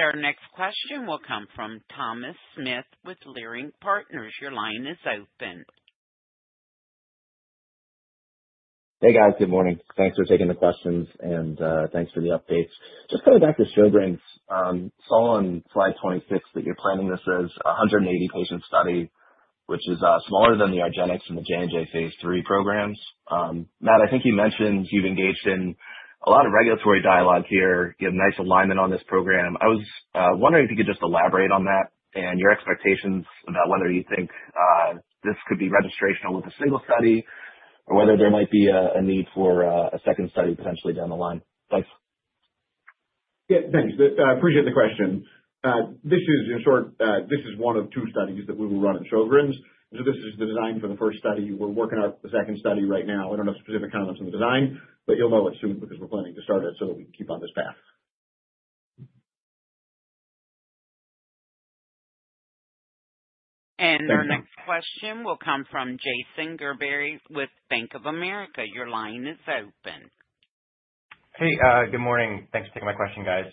[SPEAKER 1] Our next question will come from Thomas Smith with Leerink Partners. Your line is open.
[SPEAKER 11] Hey, guys. Good morning. Thanks for taking the questions, and thanks for the updates. Just coming back to Sjögren's, saw on slide 26 that you're planning this as a 180-patient study, which is smaller than the Argenx and the J&J phase III programs. Matt, I think you mentioned you've engaged in a lot of regulatory dialogue here. You have nice alignment on this program. I was wondering if you could just elaborate on that and your expectations about whether you think this could be registrational with a single study or whether there might be a need for a second study potentially down the line. Thanks.
[SPEAKER 3] Yeah, thanks. I appreciate the question. This is, in short, this is one of two studies that we will run at Sjögren's. This is the design for the first study. We're working out the second study right now. I don't have specific comments on the design, but you'll know it soon because we're planning to start it so that we can keep on this path.
[SPEAKER 1] Our next question will come from Jason Gerbery with Bank of America. Your line is open.
[SPEAKER 12] Hey, good morning. Thanks for taking my question, guys.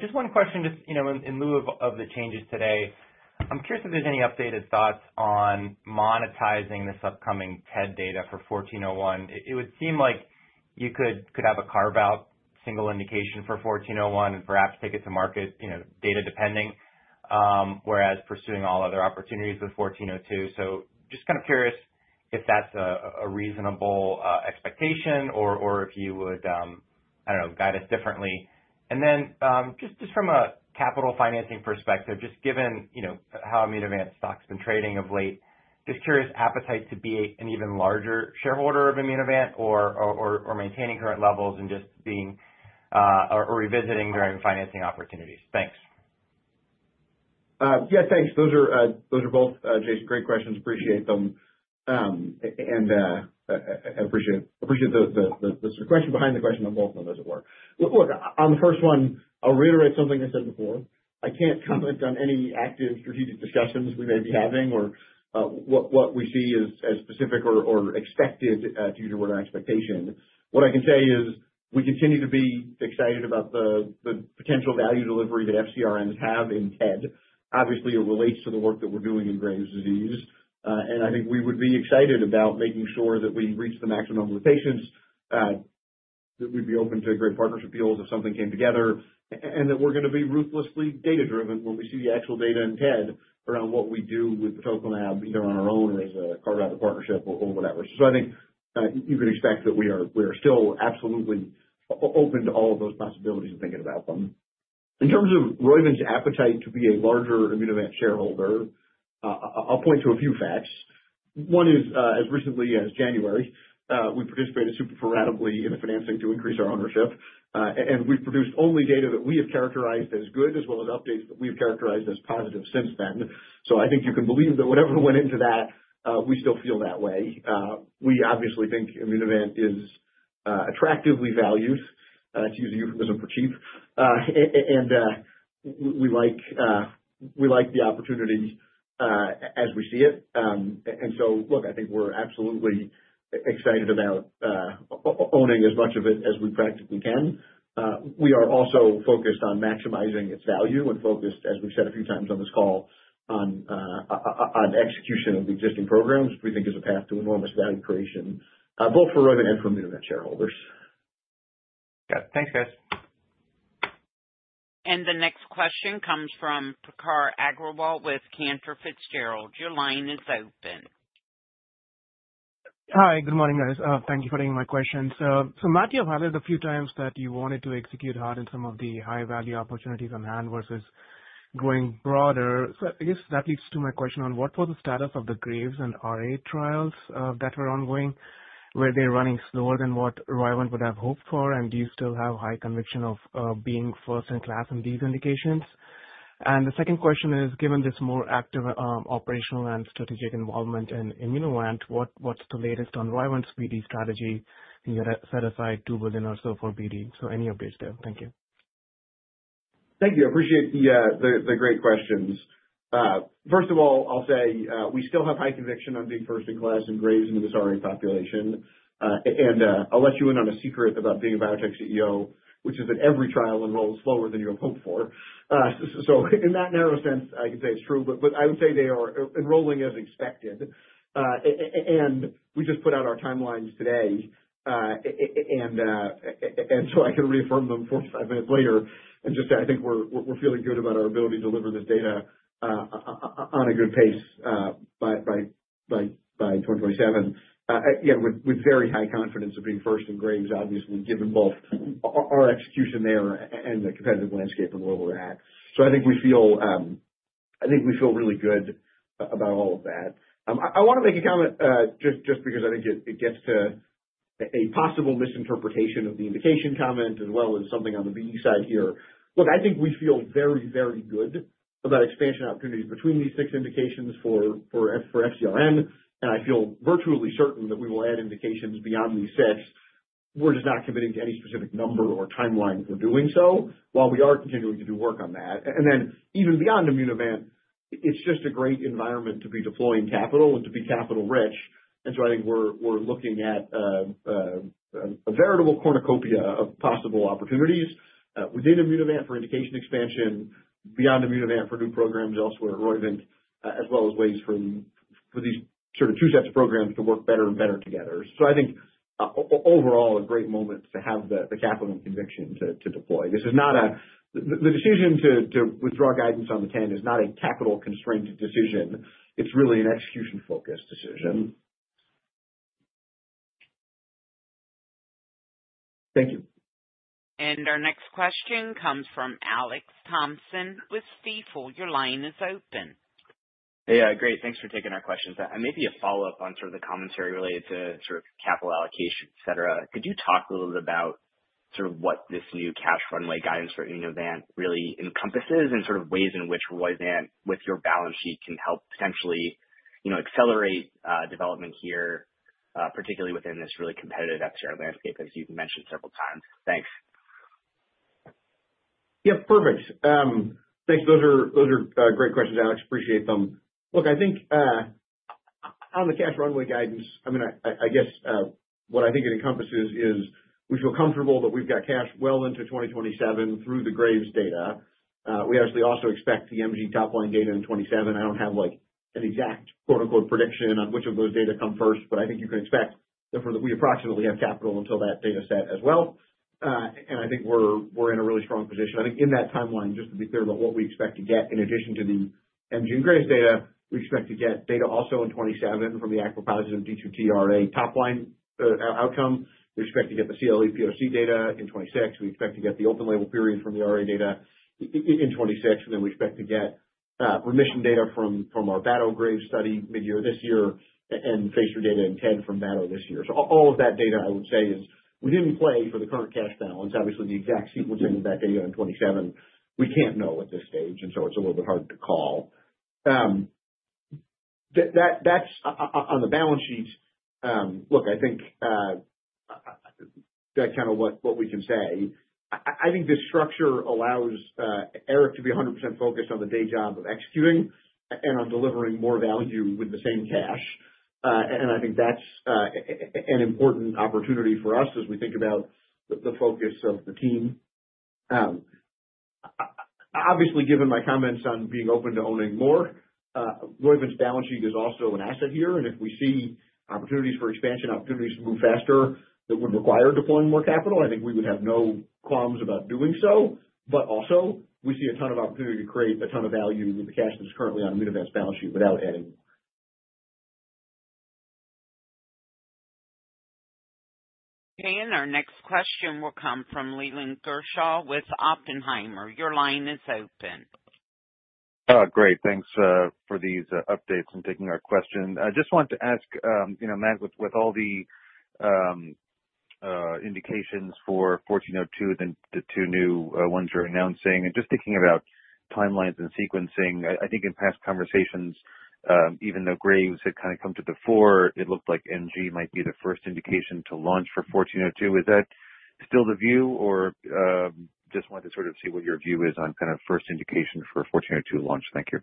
[SPEAKER 12] Just one question, just in lieu of the changes today, I'm curious if there's any updated thoughts on monetizing this upcoming TED data for IMVT-1401. It would seem like you could have a carve-out single indication for IMVT-1401 and perhaps take it to market, data-dependent, whereas pursuing all other opportunities with IMVT-1402. Just kind of curious if that's a reasonable expectation or if you would, I don't know, guide us differently. Then just from a capital financing perspective, just given how Immunovant stock's been trading of late, just curious appetite to be an even larger shareholder of Immunovant or maintaining current levels and just being or revisiting during financing opportunities. Thanks.
[SPEAKER 3] Yeah, thanks. Those are both, Jason, great questions. Appreciate them. I appreciate the sort of question behind the question on both of them, as it were. Look, on the first one, I will reiterate something I said before. I cannot comment on any active strategic discussions we may be having or what we see as specific or expected to your word on expectation. What I can say is we continue to be excited about the potential value delivery that FcRn inhibitors have in TED. Obviously, it relates to the work that we are doing in Graves' disease. I think we would be excited about making sure that we reach the maximum number of patients, that we'd be open to great partnership deals if something came together, and that we're going to be ruthlessly data-driven when we see the actual data in TED around what we do with batoclimab, either on our own or as a carve-out of partnership or whatever. I think you could expect that we are still absolutely open to all of those possibilities and thinking about them. In terms of Roivant's appetite to be a larger Immunovant shareholder, I'll point to a few facts. One is, as recently as January, we participated super formidably in the financing to increase our ownership. And we've produced only data that we have characterized as good as well as updates that we have characterized as positive since then. I think you can believe that whatever went into that, we still feel that way. We obviously think Immunovant is attractively valued, to use a euphemism for cheap. We like the opportunity as we see it. I think we're absolutely excited about owning as much of it as we practically can. We are also focused on maximizing its value and focused, as we've said a few times on this call, on execution of the existing programs, which we think is a path to enormous value creation, both for Roivant and for Immunovant shareholders.
[SPEAKER 12] Got it. Thanks, guys.
[SPEAKER 1] The next question comes from Prakhar Agrawal with Cantor Fitzgerald. Your line is open.
[SPEAKER 13] Hi, good morning, guys. Thank you for taking my question. Matt, you have highlighted a few times that you wanted to execute hard in some of the high-value opportunities on hand versus going broader. I guess that leads to my question on what was the status of the Graves and RA trials that were ongoing? Were they running slower than what Roivant would have hoped for? Do you still have high conviction of being first in class in these indications? The second question is, given this more active operational and strategic involvement in Immunovant, what's the latest on Roivant's BD strategy? You had set aside $2 billion or so for BD. Any updates there? Thank you.
[SPEAKER 3] Thank you. I appreciate the great questions. First of all, I'll say we still have high conviction on being first in class in Graves and in this RA population. I'll let you in on a secret about being a biotech CEO, which is that every trial enrolls slower than you have hoped for. In that narrow sense, I can say it's true. I would say they are enrolling as expected. We just put out our timelines today. I can reaffirm them 45 minutes later. I think we're feeling good about our ability to deliver this data on a good pace by 2027, again, with very high confidence of being first in Graves, obviously, given both our execution there and the competitive landscape and where we're at. I think we feel really good about all of that. I want to make a comment just because I think it gets to a possible misinterpretation of the indication comment as well as something on the BD side here. Look, I think we feel very, very good about expansion opportunities between these six indications for FcRn. I feel virtually certain that we will add indications beyond these six. We're just not committing to any specific number or timeline for doing so, while we are continuing to do work on that. Even beyond Immunovant, it's just a great environment to be deploying capital and to be capital-rich. I think we're looking at a veritable cornucopia of possible opportunities within Immunovant for indication expansion, beyond Immunovant for new programs elsewhere at Roivant, as well as ways for these sort of two sets of programs to work better and better together. I think, overall, a great moment to have the capital and conviction to deploy. This is not a decision to withdraw guidance on the TED. It is not a capital-constrained decision. It is really an execution-focused decision. Thank you.
[SPEAKER 1] Our next question comes from Alex Thompson with Stifel. Your line is open.
[SPEAKER 14] Hey, great. Thanks for taking our questions. Maybe a follow-up on sort of the commentary related to sort of capital allocation, etc. Could you talk a little bit about sort of what this new cash runway guidance for Immunovant really encompasses and sort of ways in which Roivant, with your balance sheet, can help potentially accelerate development here, particularly within this really competitive FcRn landscape, as you've mentioned several times? Thanks.
[SPEAKER 3] Yeah, perfect. Thanks. Those are great questions, Alex. Appreciate them. Look, I think on the cash runway guidance, I mean, I guess what I think it encompasses is we feel comfortable that we've got cash well into 2027 through the Graves data. We actually also expect the MG top-line data in 2027. I don't have an exact "prediction" on which of those data come first, but I think you can expect that we approximately have capital until that data set as well. I think we're in a really strong position. I think in that timeline, just to be clear about what we expect to get in addition to the MG and Graves data, we expect to get data also in 2027 from the active positive D2T RA top-line outcome. We expect to get the CLE POC data in 2026. We expect to get the open-label period from the RA data in 2026. We expect to get remission data from our [batoclimab] Graves study mid-year this year and phase III data in TED from [batoclimab] this year. All of that data, I would say, is within play for the current cash balance. Obviously, the exact sequencing of that data in 2027, we can't know at this stage. It is a little bit hard to call. On the balance sheet, look, I think that's kind of what we can say. I think this structure allows Eric to be 100% focused on the day job of executing and on delivering more value with the same cash. I think that's an important opportunity for us as we think about the focus of the team. Obviously, given my comments on being open to owning more, Roivant's balance sheet is also an asset here. If we see opportunities for expansion, opportunities to move faster that would require deploying more capital, I think we would have no qualms about doing so. Also, we see a ton of opportunity to create a ton of value with the cash that's currently on Immunovant's balance sheet without adding more.
[SPEAKER 1] Okay. Our next question will come from Leland Gershell with Oppenheimer. Your line is open.
[SPEAKER 15] Great. Thanks for these updates and taking our question. I just wanted to ask, Matt, with all the indications for IMVT-1402, the two new ones you're announcing, and just thinking about timelines and sequencing, I think in past conversations, even though Graves had kind of come to the fore, it looked like MG might be the first indication to launch for IMVT-1402. Is that still the view, or just wanted to sort of see what your view is on kind of first indication for IMVT-1402 launch? Thank you.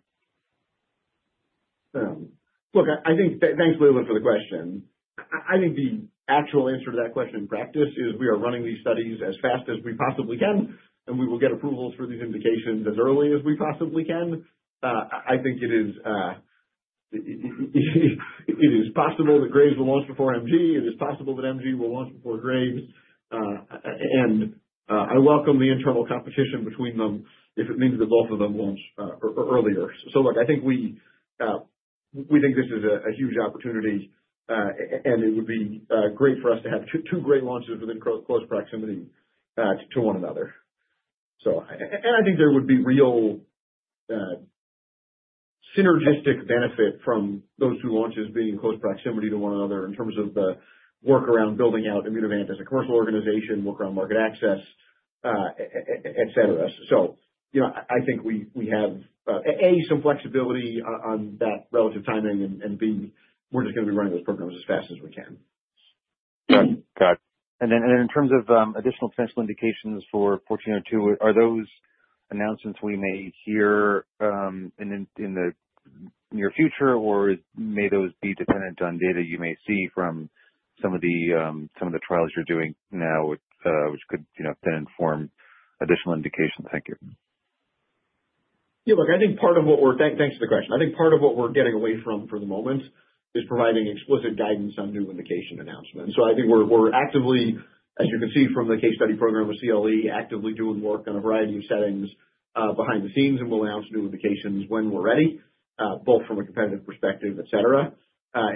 [SPEAKER 3] Look, I think thanks, Leland, for the question. I think the actual answer to that question in practice is we are running these studies as fast as we possibly can, and we will get approvals for these indications as early as we possibly can. I think it is possible that Graves will launch before MG. It is possible that MG will launch before Graves. I welcome the internal competition between them if it means that both of them launch earlier. I think we think this is a huge opportunity, and it would be great for us to have two great launches within close proximity to one another. I think there would be real synergistic benefit from those two launches being in close proximity to one another in terms of the work around building out Immunovant as a commercial organization, work around market access, etc. I think we have, A, some flexibility on that relative timing, and B, we're just going to be running those programs as fast as we can.
[SPEAKER 15] Got it. Got it. In terms of additional potential indications for IMVT-1402, are those announcements we may hear in the near future, or may those be dependent on data you may see from some of the trials you're doing now, which could then inform additional indication? Thank you.
[SPEAKER 3] Yeah, look, I think part of what we're, thanks for the question. I think part of what we're getting away from for the moment is providing explicit guidance on new indication announcements. I think we're actively, as you can see from the case study program with CLE, actively doing work on a variety of settings behind the scenes and will announce new indications when we're ready, both from a competitive perspective, etc.,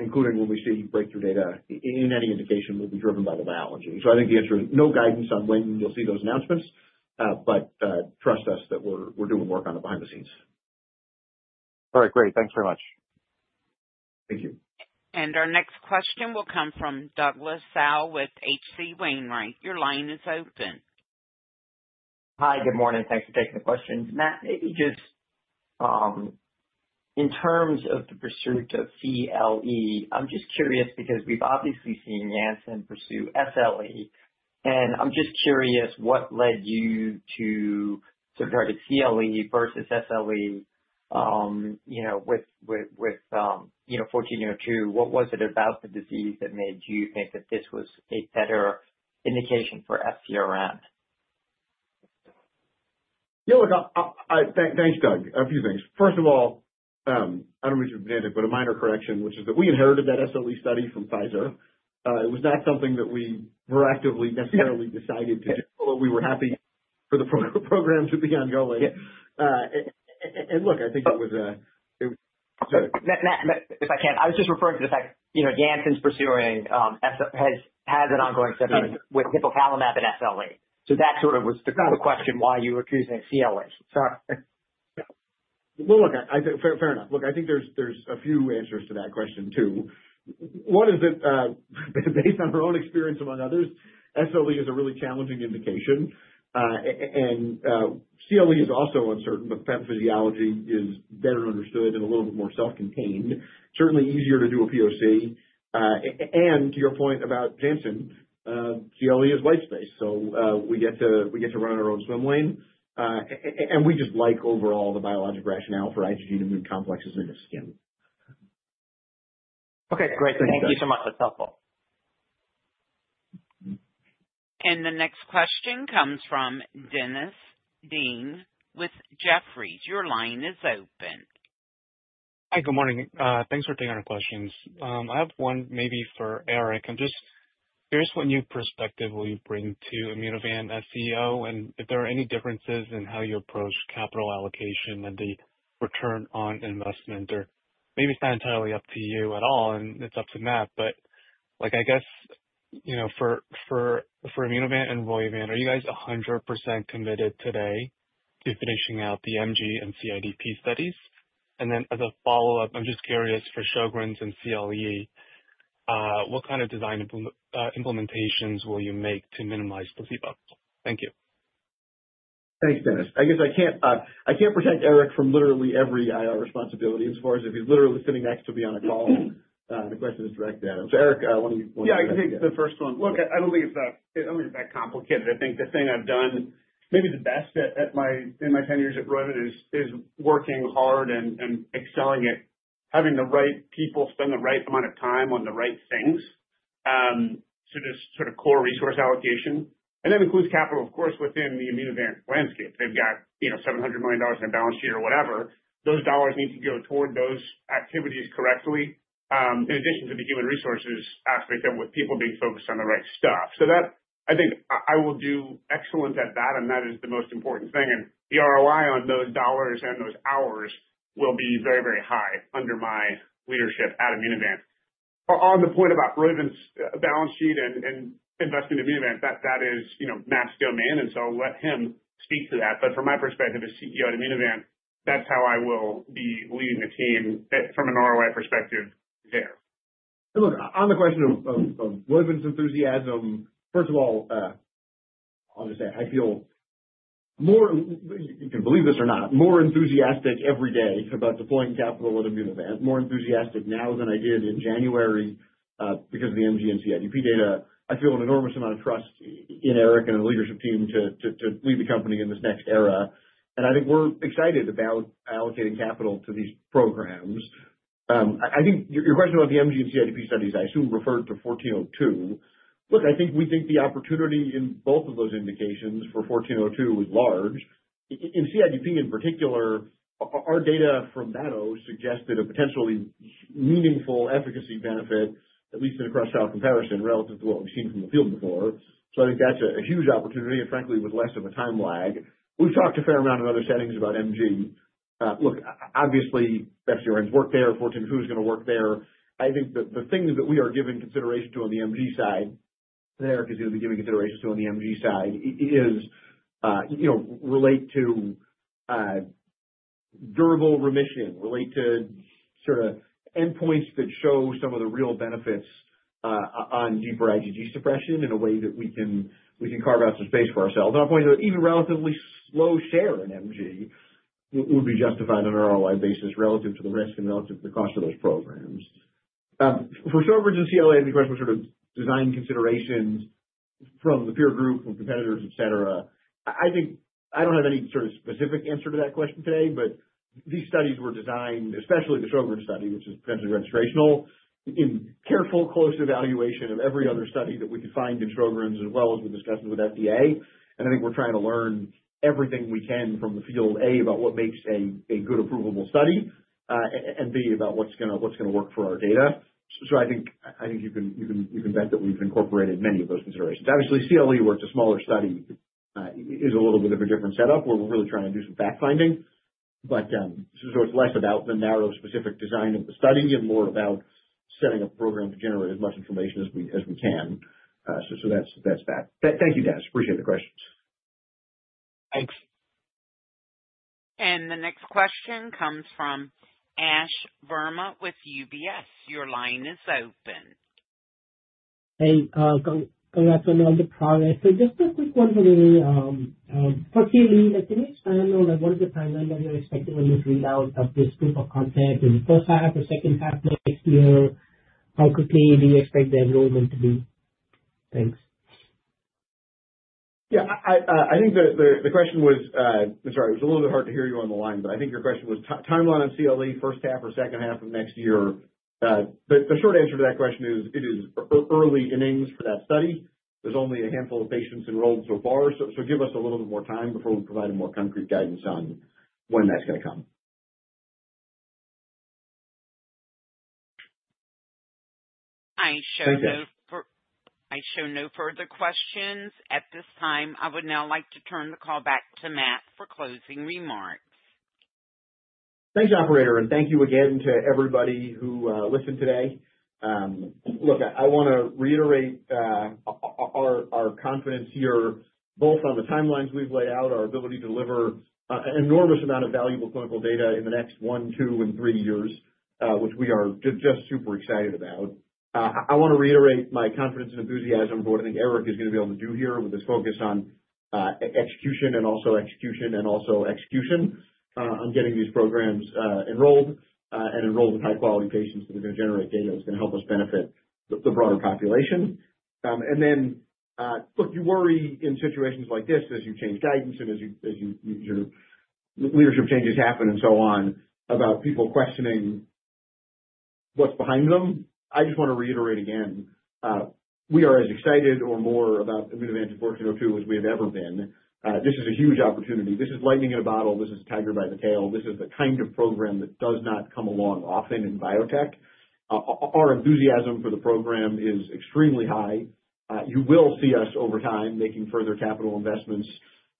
[SPEAKER 3] including when we see breakthrough data in any indication will be driven by the biology. I think the answer is no guidance on when you'll see those announcements, but trust us that we're doing work on it behind the scenes.
[SPEAKER 15] All right. Great. Thanks very much.
[SPEAKER 3] Thank you.
[SPEAKER 1] Our next question will come from Douglas Tsao with HC Wainwright. Your line is open.
[SPEAKER 16] Hi, good morning. Thanks for taking the question. Matt, maybe just in terms of the pursuit of CLE, I'm just curious because we've obviously seen Janssen pursue SLE. I'm just curious what led you to sort of target CLE versus SLE with IMVT-1402? What was it about the disease that made you think that this was a better indication for FcRn?
[SPEAKER 3] Yeah, look, thanks, Doug. A few things. First of all, I don't know if you've been in it, but a minor correction, which is that we inherited that SLE study from Pfizer. It was not something that we proactively necessarily decided to do, but we were happy for the program to be ongoing. I think it was.
[SPEAKER 16] Matt, if I can, I was just referring to the fact Janssen's pursuing has an ongoing study with nipocalimab and SLE. That sort of was the question why you were choosing CLE. Sorry.
[SPEAKER 3] Fair enough. I think there's a few answers to that question too. One is that based on our own experience among others, SLE is a really challenging indication. CLE is also uncertain, but pathophysiology is better understood and a little bit more self-contained. Certainly easier to do a POC. To your point about Janssen, CLE is white space. We get to run our own swim lane. We just like overall the biologic rationale for IgG and immune complexes in the skin.
[SPEAKER 16] Okay. Great. Thank you so much. That's helpful.
[SPEAKER 1] The next question comes from Dennis Ding with Jefferies. Your line is open.
[SPEAKER 17] Hi, good morning. Thanks for taking our questions. I have one maybe for Eric. I'm just curious what new perspective will you bring to Immunovant as CEO, and if there are any differences in how you approach capital allocation and the return on investment. Or maybe it's not entirely up to you at all, and it's up to Matt, but I guess for Immunovant and Roivant, are you guys 100% committed today to finishing out the MG and CIDP studies? As a follow-up, I'm just curious for Sjögren's and CLE, what kind of design implementations will you make to minimize placebo? Thank you.
[SPEAKER 3] Thanks, Dennis. I guess I can't protect Eric from literally every IR responsibility as far as if he's literally sitting next to me on a call and the question is directed at him. So Eric, I want to.
[SPEAKER 4] Yeah, I think the first one, look, I don't think it's that, I don't think it's that complicated. I think the thing I've done maybe the best in my 10 years at Roivant is working hard and excelling at having the right people spend the right amount of time on the right things to this sort of core resource allocation. That includes capital, of course, within the Immunovant landscape. They've got $700 million in a balance sheet or whatever. Those dollars need to go toward those activities correctly in addition to the human resources aspect of people being focused on the right stuff. I think I will do excellent at that, and that is the most important thing. The ROI on those dollars and those hours will be very, very high under my leadership at Immunovant. On the point about Roivant's balance sheet and investing in Immunovant, that is Matt's domain, and so I'll let him speak to that. From my perspective as CEO at Immunovant, that's how I will be leading the team from an ROI perspective there.
[SPEAKER 3] Look, on the question of Roivant's enthusiasm, first of all, I'll just say I feel more, you can believe this or not, more enthusiastic every day about deploying capital at Immunovant, more enthusiastic now than I did in January because of the MG and CIDP data. I feel an enormous amount of trust in Eric and the leadership team to lead the company in this next era. I think we're excited about allocating capital to these programs. I think your question about the MG and CIDP studies, I assume referred to IMVT-1402. Look, I think we think the opportunity in both of those indications for IMVT-1402 is large. In CIDP in particular, our data from batoclimab suggested a potentially meaningful efficacy benefit, at least in a cross-site comparison relative to what we've seen from the field before. I think that's a huge opportunity, and frankly, with less of a time lag. We've talked a fair amount in other settings about MG. Look, obviously, FcRn's work there, IMVT-1402 is going to work there. I think the things that we are giving consideration to on the MG side, that Eric is going to be giving consideration to on the MG side, is relate to durable remission, relate to sort of endpoints that show some of the real benefits on deeper IgG suppression in a way that we can carve out some space for ourselves. I'll point out even relatively slow share in MG would be justified on an ROI basis relative to the risk and relative to the cost of those programs. For Sjögren's and CLE, I think the question was sort of design considerations from the peer group, from competitors, etc. I don't have any sort of specific answer to that question today, but these studies were designed, especially the Sjögren's study, which is potentially registrational, in careful close evaluation of every other study that we could find in Sjögren's as well as we discussed with FDA. I think we're trying to learn everything we can from the field, A, about what makes a good, approvable study, and B, about what's going to work for our data. I think you can bet that we've incorporated many of those considerations. Obviously, CLE, where it's a smaller study, is a little bit of a different setup where we're really trying to do some fact-finding. It's less about the narrow specific design of the study and more about setting up a program to generate as much information as we can. That's that. Thank you, Dennis. Appreciate the questions.
[SPEAKER 17] Thanks.
[SPEAKER 1] The next question comes from Ash Verma with UBS. Your line is open.
[SPEAKER 18] Hey, good afternoon. Just a quick one for me. For CLE, can you expand on what is the timeline that you're expecting when you read out of this group of content in the first half or second half next year? How quickly do you expect the enrollment to be? Thanks.
[SPEAKER 3] Yeah, I think the question was, I'm sorry, it was a little bit hard to hear you on the line, but I think your question was timeline on CLE, first half or second half of next year. The short answer to that question is it is early innings for that study. There's only a handful of patients enrolled so far. Give us a little bit more time before we provide more concrete guidance on when that's going to come.
[SPEAKER 1] I show no further questions at this time. I would now like to turn the call back to Matt for closing remarks.
[SPEAKER 3] Thanks, operator. Thank you again to everybody who listened today. Look, I want to reiterate our confidence here, both on the timelines we've laid out, our ability to deliver an enormous amount of valuable clinical data in the next one, two, and three years, which we are just super excited about. I want to reiterate my confidence and enthusiasm for what I think Eric is going to be able to do here with this focus on execution and also execution on getting these programs enrolled and enrolled with high-quality patients that are going to generate data that's going to help us benefit the broader population. You worry in situations like this as you change guidance and as your leadership changes happen and so on about people questioning what's behind them. I just want to reiterate again, we are as excited or more about IMVT-1402 as we have ever been. This is a huge opportunity. This is lightning in a bottle. This is a tiger by the tail. This is the kind of program that does not come along often in biotech. Our enthusiasm for the program is extremely high. You will see us over time making further capital investments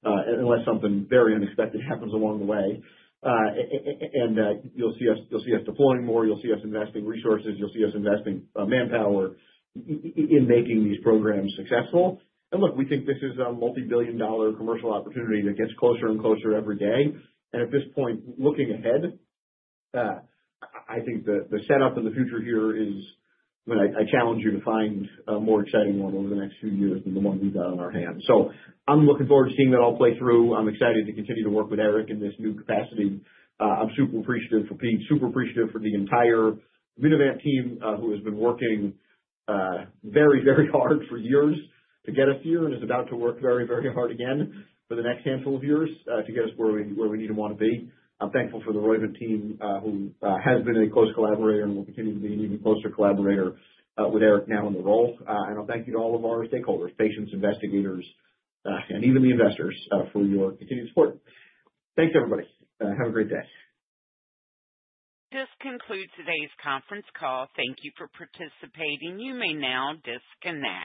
[SPEAKER 3] unless something very unexpected happens along the way. You will see us deploying more. You will see us investing resources. You will see us investing manpower in making these programs successful. Look, we think this is a multi-billion dollar commercial opportunity that gets closer and closer every day. At this point, looking ahead, I think the setup in the future here is I challenge you to find a more exciting one over the next few years than the one we've got on our hands. I'm looking forward to seeing that all play through. I'm excited to continue to work with Eric in this new capacity. I'm super appreciative for the entire Immunovant team who has been working very, very hard for years to get us here and is about to work very, very hard again for the next handful of years to get us where we need and want to be. I'm thankful for the Roivant team who has been a close collaborator and will continue to be an even closer collaborator with Eric now in the role. Thank you to all of our stakeholders, patients, investigators, and even the investors for your continued support. Thanks, everybody. Have a great day.
[SPEAKER 1] This concludes today's conference call. Thank you for participating. You may now disconnect.